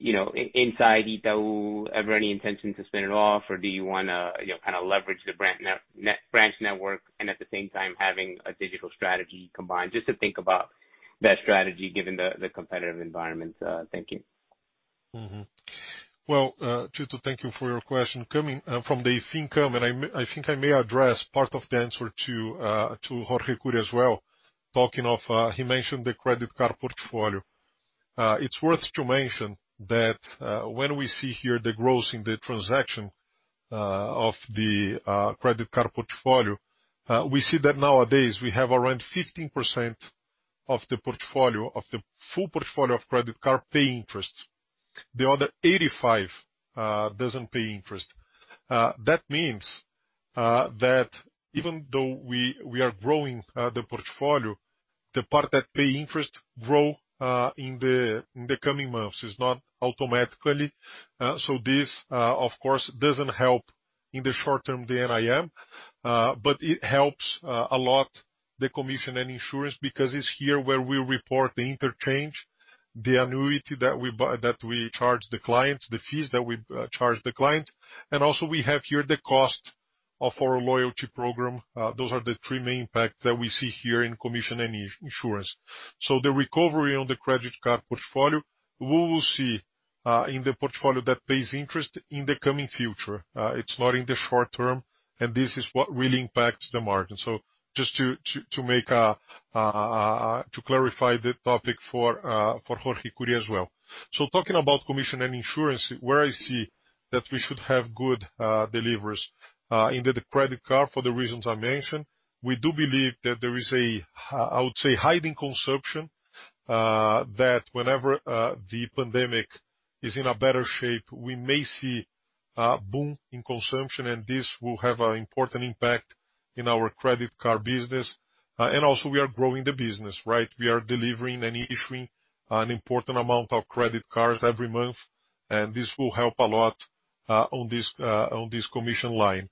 inside Itaú? Ever any intention to spin it off? Do you want to kind of leverage the branch network and at the same time having a digital strategy combined? Just to think about that strategy given the competitive environment. Thank you. Well, Tito, thank you for your question. Coming from the fee income. I think I may address part of the answer to Jorge Kuri as well. He mentioned the credit card portfolio. It's worth to mention that when we see here the growth in the transaction of the credit card portfolio, we see that nowadays we have around 15% of the portfolio, of the full portfolio of credit card, pay interest. The other 85% doesn't pay interest. That means that even though we are growing the portfolio, the part that pay interest grow in the coming months, it's not automatically. This, of course, doesn't help in the short term, the NIM, but it helps a lot, the commission and insurance, because it's here where we report the interchange, the annuity that we charge the clients, the fees that we charge the client. Also we have here the cost of our loyalty program. Those are the three main impact that we see here in commission and insurance. The recovery on the credit card portfolio, we will see in the portfolio that pays interest in the coming future. It's not in the short term, and this is what really impacts the margin. Just to clarify the topic for Jorge Kuri as well. Talking about commission and insurance, where I see that we should have good deliveries into the credit card for the reasons I mentioned. We do believe that there is a, I would say, hiding consumption, that whenever the pandemic is in a better shape, we may see a boom in consumption, and this will have an important impact in our credit card business. Also we are growing the business, right? We are delivering and issuing an important amount of credit cards every month, and this will help a lot on this commission line.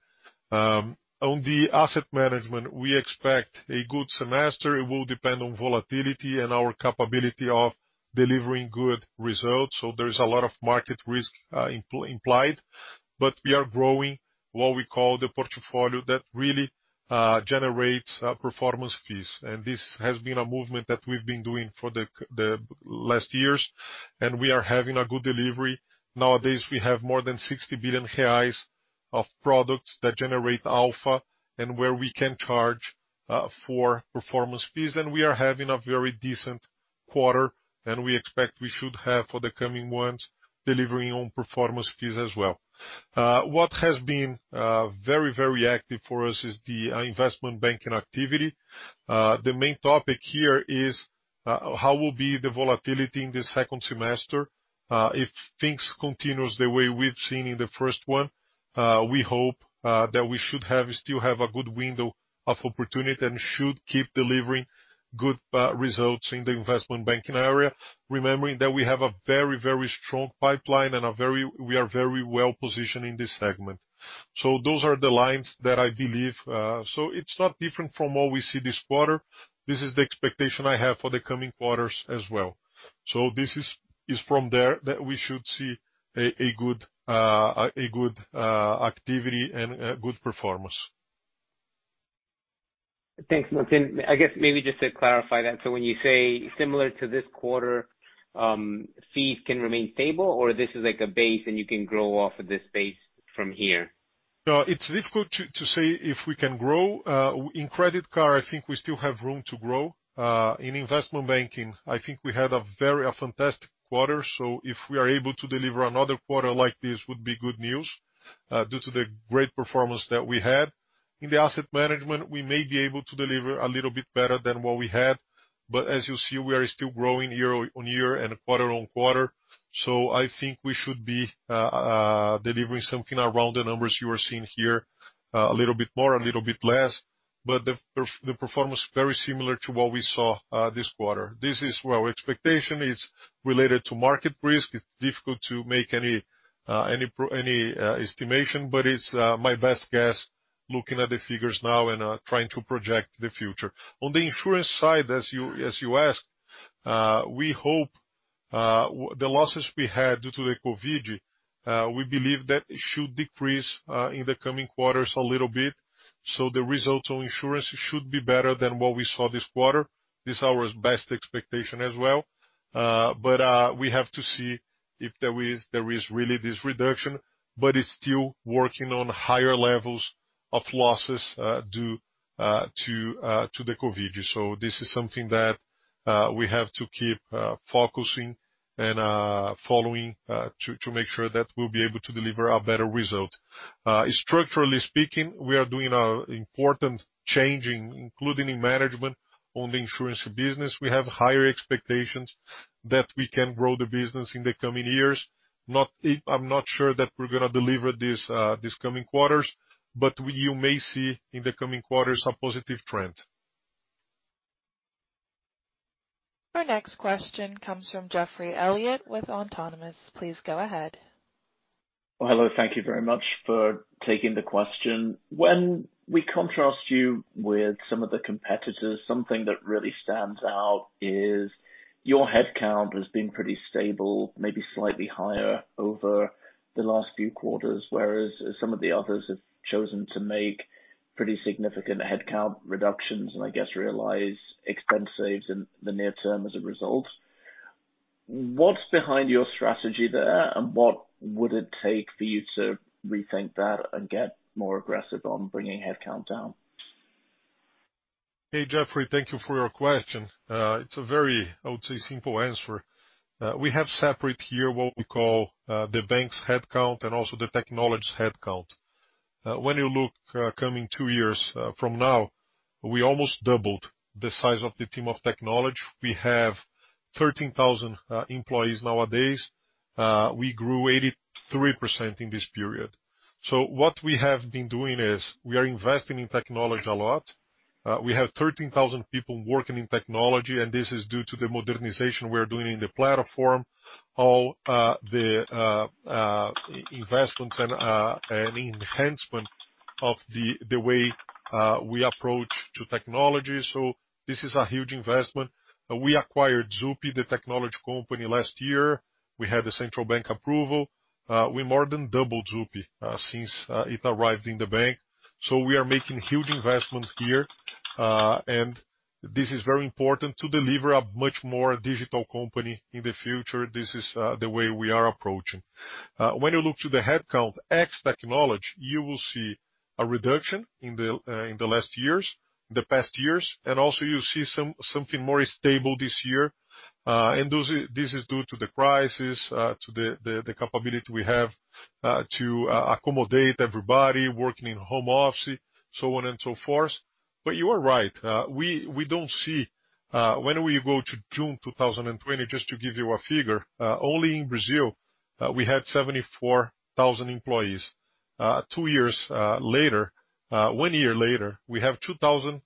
On the asset management, we expect a good semester. It will depend on volatility and our capability of delivering good results. There is a lot of market risk implied, but we are growing what we call the portfolio that really generates performance fees. This has been a movement that we've been doing for the last years, and we are having a good delivery. Nowadays, we have more than 60 billion reais of products that generate alpha and where we can charge for performance fees. We are having a very decent quarter, and we expect we should have for the coming ones, delivering on performance fees as well. What has been very, very active for us is the investment banking activity. The main topic here is, how will be the volatility in the second semester? If things continues the way we've seen in the first one, we hope that we should still have a good window of opportunity and should keep delivering good results in the investment banking area. Remembering that we have a very strong pipeline and we are very well positioned in this segment. Those are the lines that I believe. It's not different from what we see this quarter. This is the expectation I have for the coming quarters as well. This is from there that we should see a good activity and a good performance. Thanks, Milton Maluhy Filho. I guess maybe just to clarify that, when you say similar to this quarter, fees can remain stable, or this is like a base and you can grow off of this base from here? No, it's difficult to say if we can grow. In credit card, I think we still have room to grow. In investment banking, I think we had a fantastic quarter, so if we are able to deliver another quarter like this, would be good news, due to the great performance that we had. In the asset management, we may be able to deliver a little bit better than what we had. As you see, we are still growing year-over-year and quarter-over-quarter. I think we should be delivering something around the numbers you are seeing here, a little bit more, a little bit less. The performance very similar to what we saw this quarter. This is where our expectation is related to market risk. It's difficult to make any estimation, but it's my best guess looking at the figures now and trying to project the future. On the insurance side, as you asked, we hope the losses we had due to the COVID, we believe that it should decrease in the coming quarters a little bit. The results on insurance should be better than what we saw this quarter. This our best expectation as well. We have to see if there is really this reduction, but it's still working on higher levels of losses due to the COVID. This is something that we have to keep focusing and following, to make sure that we'll be able to deliver a better result. Structurally speaking, we are doing an important change, including in management on the insurance business. We have higher expectations that we can grow the business in the coming years. I'm not sure that we're going to deliver these coming quarters, but you may see in the coming quarters a positive trend. Our next question comes from Geoffrey Elliott with Autonomous. Please go ahead. Well, hello, thank you very much for taking the question. When we contrast you with some of the competitors, something that really stands out is your headcount has been pretty stable, maybe slightly higher over the last few quarters, whereas some of the others have chosen to make pretty significant headcount reductions and I guess realize expense saves in the near term as a result. What's behind your strategy there, and what would it take for you to rethink that and get more aggressive on bringing headcount down? Hey, Geoffrey. Thank you for your question. It's a very, I would say, simple answer. We have separate here what we call the bank's headcount and also the technology's headcount. When you look coming two years from now, we almost doubled the size of the team of technology. We have 13,000 employees nowadays. We grew 83% in this period. What we have been doing is we are investing in technology a lot. We have 13,000 people working in technology, and this is due to the modernization we're doing in the platform, all the investments and enhancement of the way we approach to technology. This is a huge investment. We acquired Zup, the technology company, last year. We had the central bank approval. We more than doubled Zup since it arrived in the bank. We are making huge investments here, and this is very important to deliver a much more digital company in the future. This is the way we are approaching. When you look to the headcount X technology, you will see a reduction in the last years, the past years, and also you see something more stable this year. This is due to the crisis, to the capability we have to accommodate everybody working in home office, so on and so forth. You are right. We don't see when we go to June 2020, just to give you a figure, only in Brazil, we had 74,000 employees. two years later, one year later, we have 2,000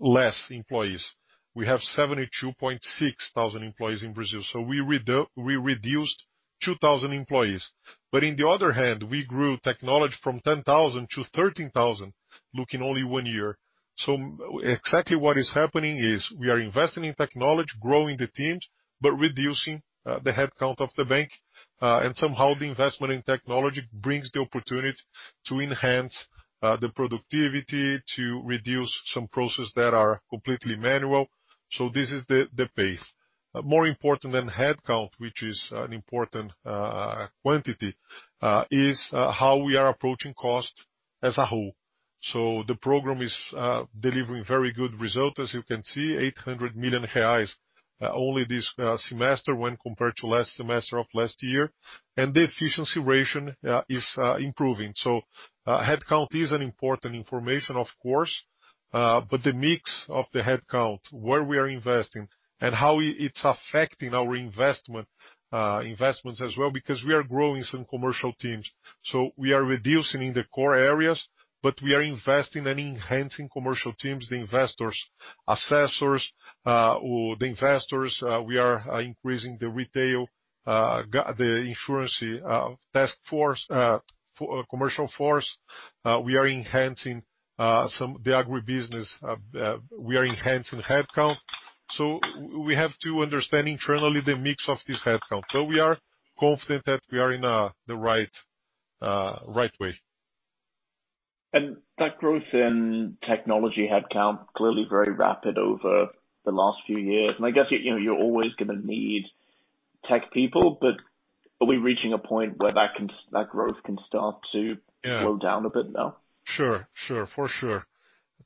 less employees. We have 72,600 employees in Brazil, so we reduced 2,000 employees. In the other hand, we grew technology from 10,000 to 13,000, looking only 1 year. Exactly what is happening is we are investing in technology, growing the teams, but reducing the headcount of the bank. Somehow the investment in technology brings the opportunity to enhance the productivity, to reduce some processes that are completely manual. This is the pace. More important than headcount, which is an important quantity, is how we are approaching cost as a whole. The program is delivering very good result. As you can see, 800 million reais only this semester when compared to last semester of last year. The efficiency ratio is improving. Headcount is an important information, of course, but the mix of the headcount, where we are investing and how it's affecting our investments as well, because we are growing some commercial teams. We are reducing in the core areas, but we are investing and enhancing commercial teams, the investors, assessors, or the investors. We are increasing the retail, the insurance task force, commercial force. We are enhancing some of the agribusiness. We are enhancing headcount. We have to understand internally the mix of this headcount. We are confident that we are in the right way. That growth in technology headcount, clearly very rapid over the last few years. I guess you're always going to need tech people, but are we reaching a point where that growth can start to? Yeah slow down a bit now? Sure. For sure.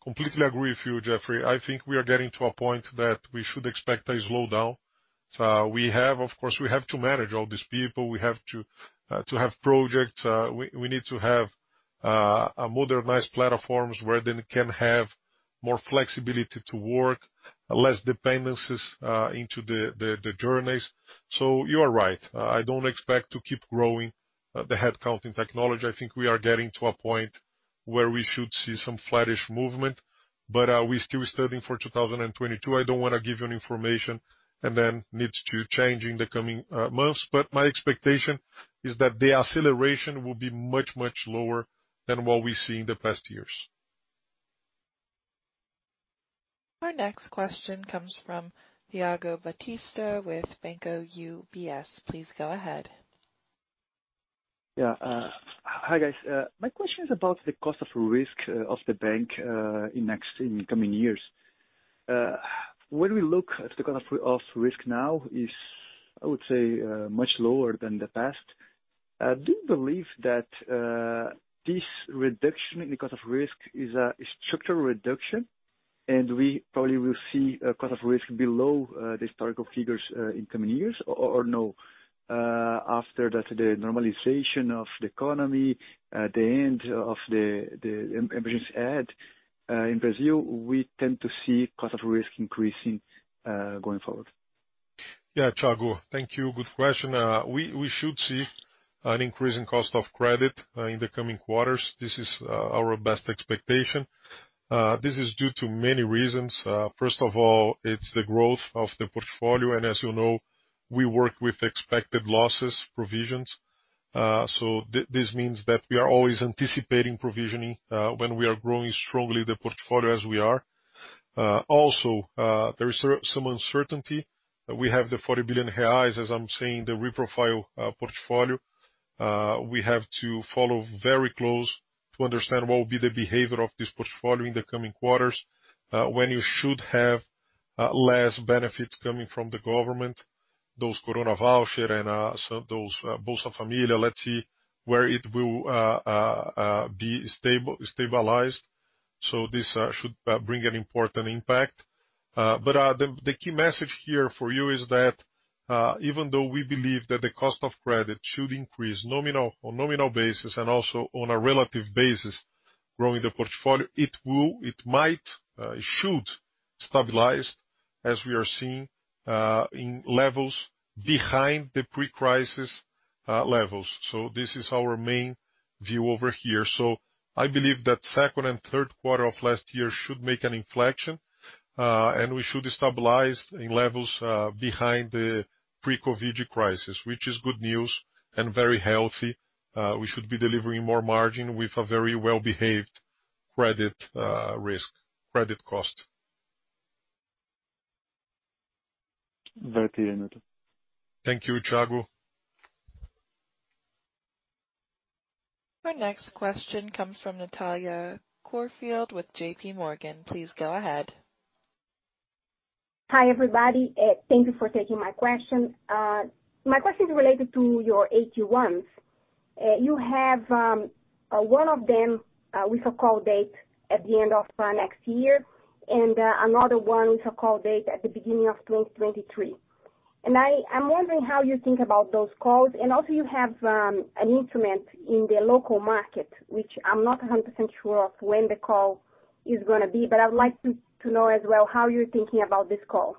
Completely agree with you, Geoffrey. I think we are getting to a point that we should expect a slowdown. Of course, we have to manage all these people. We have to have projects. We need to have a modernized platforms where they can have more flexibility to work, less dependencies into the journeys. You are right. I don't expect to keep growing the headcount in technology. I think we are getting to a point where we should see some flattish movement. We still studying for 2022. I don't want to give you an information and then needs to change in the coming months. My expectation is that the acceleration will be much, much lower than what we see in the past years. Our next question comes from Thiago Batista with UBS BB. Please go ahead. Yeah. Hi, guys. My question is about the cost of risk of the bank in coming years. When we look at the cost of risk now is, I would say, much lower than the past. Do you believe that this reduction in the cost of risk is a structural reduction, and we probably will see a cost of risk below the historical figures in coming years? No, after that, the normalization of the economy, the end of the emergency aid in Brazil, we tend to see cost of risk increasing going forward. Yeah, Thiago, thank you. Good question. We should see an increase in cost of credit in the coming quarters. This is our best expectation. This is due to many reasons. First of all, it's the growth of the portfolio, and as you know, we work with expected losses, provisions. This means that we are always anticipating provisioning when we are growing strongly the portfolio as we are. Also, there is some uncertainty. We have the 40 billion reais, as I'm saying, the reprofile portfolio. We have to follow very close to understand what will be the behavior of this portfolio in the coming quarters, when you should have less benefits coming from the government, those corona voucher and those Bolsa Família. Let's see where it will be stabilized. This should bring an important impact. The key message here for you is that, even though we believe that the cost of credit should increase on nominal basis and also on a relative basis, growing the portfolio, it should stabilize as we are seeing in levels behind the pre-crisis levels. This is our main view over here. I believe that second and third quarter of last year should make an inflection, and we should stabilize in levels behind the pre-COVID crisis, which is good news and very healthy. We should be delivering more margin with a very well-behaved credit risk, credit cost. Very clear, Milton. Thank you, Thiago. Our next question comes from Natalia Corfield with JPMorgan. Please go ahead. Hi, everybody. Thank you for taking my question. My question is related to your AT1s. You have one of them with a call date at the end of next year and another one with a call date at the beginning of 2023. I'm wondering how you think about those calls, and also you have an instrument in the local market, which I'm not 100% sure of when the call is going to be, but I would like to know as well how you're thinking about this call.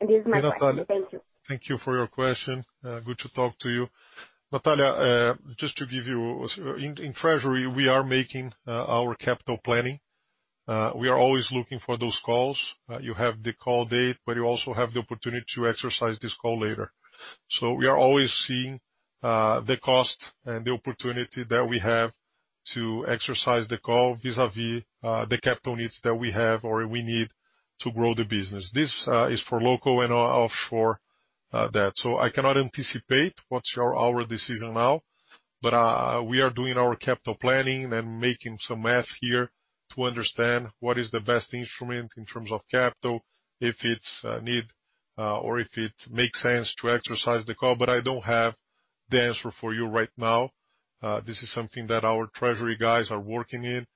This is my question. Thank you. Thank you for your question. Good to talk to you. Natalia, just to give you, in treasury, we are making our capital planning. We are always looking for those calls. You have the call date, but you also have the opportunity to exercise this call later. We are always seeing the cost and the opportunity that we have to exercise the call vis-a-vis the capital needs that we have or we need to grow the business. This is for local and offshore that. I cannot anticipate what's our decision now, but we are doing our capital planning and making some math here to understand what is the best instrument in terms of capital, if it's a need, or if it makes sense to exercise the call, but I don't have the answer for you right now. This is something that our treasury guys are working in.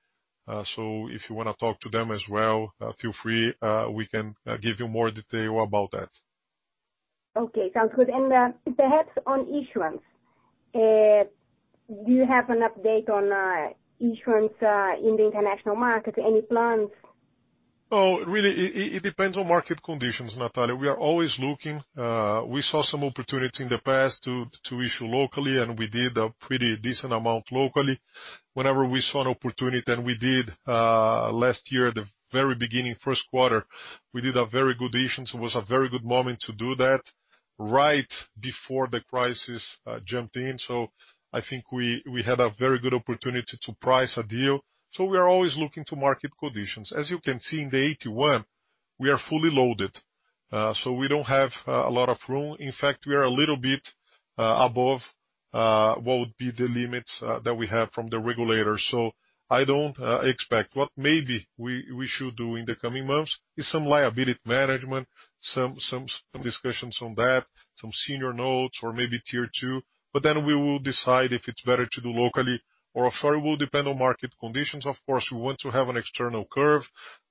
If you want to talk to them as well, feel free. We can give you more detail about that. Okay, sounds good. Perhaps on issuance, do you have an update on issuance in the international market? Any plans? Oh, really, it depends on market conditions, Natalia. We are always looking. We saw some opportunity in the past to issue locally, and we did a pretty decent amount locally. Whenever we saw an opportunity, and we did last year at the very beginning, first quarter, we did a very good issuance. It was a very good moment to do that right before the crisis jumped in. I think we had a very good opportunity to price a deal. We are always looking to market conditions. As you can see in the AT1, we are fully loaded. We don't have a lot of room. In fact, we are a little bit above what would be the limits that we have from the regulators. I don't expect. What maybe we should do in the coming months is some liability management, some discussions on that, some senior notes or maybe Tier 2, but then we will decide if it's better to do locally or offshore. It will depend on market conditions. Of course, we want to have an external curve.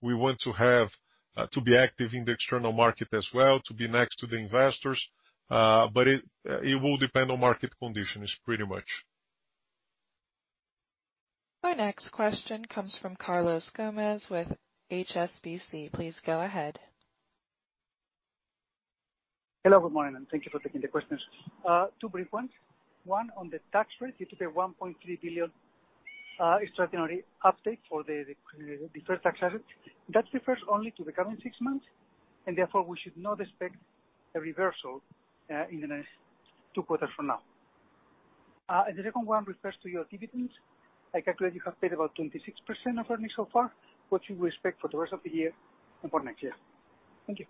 We want to be active in the external market as well, to be next to the investors. It will depend on market conditions pretty much. Our next question comes from Carlos Gomez-Lopez with HSBC. Please go ahead. Hello, good morning. Thank you for taking the questions. Two brief ones. One on the tax rate due to the 1.3 billion extraordinary update for the deferred tax assets. That refers only to the current six months, and therefore we should not expect a reversal in the next two quarters from now. The second one refers to your dividends. I calculate you have paid about 26% of earnings so far. What do you expect for the rest of the year and for next year? Thank you.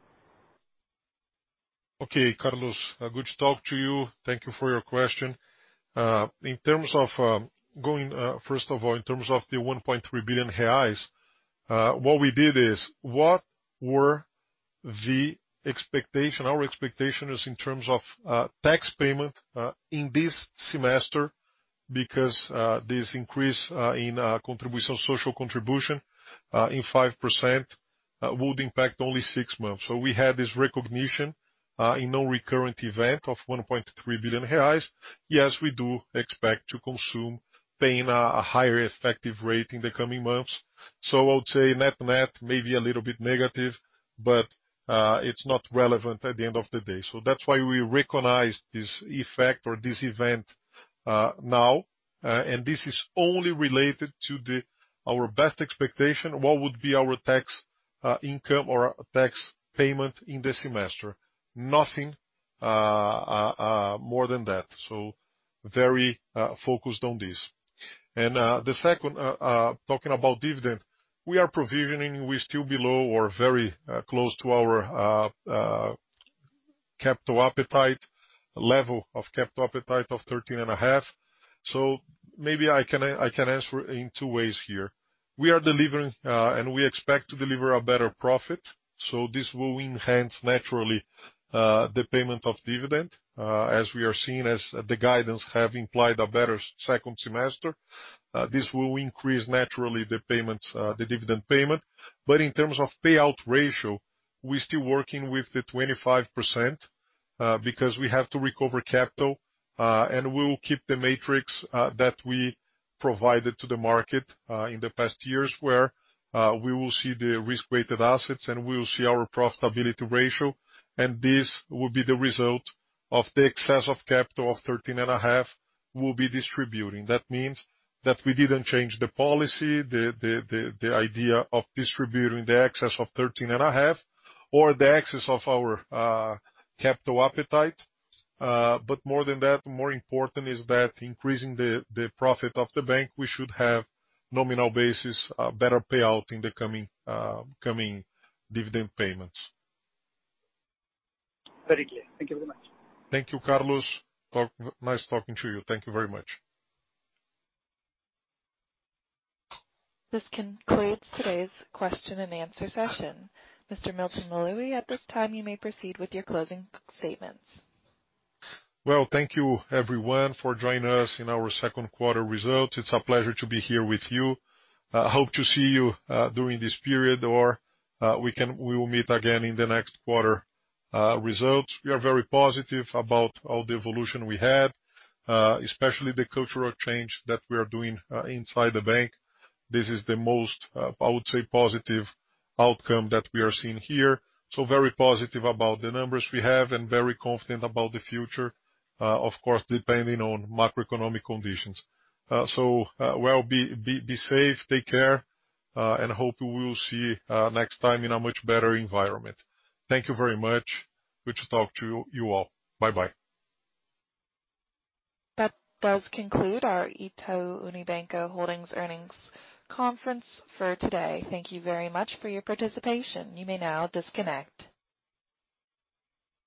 Okay, Carlos Gomez-Lopez. Good to talk to you. Thank you for your question. First of all, in terms of the 1.3 billion reais, what we did is, what were our expectations in terms of tax payment in this semester because this increase in social contribution in 5% would impact only six months. We had this recognition, a non-recurrent event of 1.3 billion reais. Yes, we do expect to consume paying a higher effective rate in the coming months. I would say net-net, maybe a little bit negative, but it's not relevant at the end of the day. That's why we recognized this effect or this event now, and this is only related to our best expectation, what would be our tax income or tax payment in this semester. Nothing more than that. Very focused on this. The second, talking about dividend, we are provisioning. We're still below or very close to our capital appetite, level of capital appetite of 13.5. Maybe I can answer in two ways here. We are delivering, and we expect to deliver a better profit, so this will enhance, naturally, the payment of dividend, as we are seeing as the guidance have implied a better second semester. This will increase, naturally, the dividend payment. In terms of payout ratio. We're still working with the 25% because we have to recover capital, and we will keep the matrix that we provided to the market in the past years, where we will see the risk-weighted assets, and we will see our profitability ratio. This will be the result of the excess of capital of 13.5 we'll be distributing. That means that we didn't change the policy, the idea of distributing the excess of 13.5, or the excess of our capital appetite. More than that, more important is that increasing the profit of the bank, we should have nominal basis, a better payout in the coming dividend payments. Very clear. Thank you very much. Thank you, Carlos. Nice talking to you. Thank you very much. This concludes today's question and answer session. Mr. Milton Maluhy, at this time you may proceed with your closing statements. Well, thank you everyone for joining us in our second quarter results. It's a pleasure to be here with you. Hope to see you during this period, or we will meet again in the next quarter results. We are very positive about all the evolution we had, especially the cultural change that we are doing inside the bank. This is the most, I would say, positive outcome that we are seeing here. Very positive about the numbers we have and very confident about the future. Of course, depending on macroeconomic conditions. Well, be safe, take care, and hope we will see next time in a much better environment. Thank you very much. Good to talk to you all. Bye-bye. That does conclude our Itaú Unibanco Holdings earnings conference for today. Thank you very much for your participation. You may now disconnect.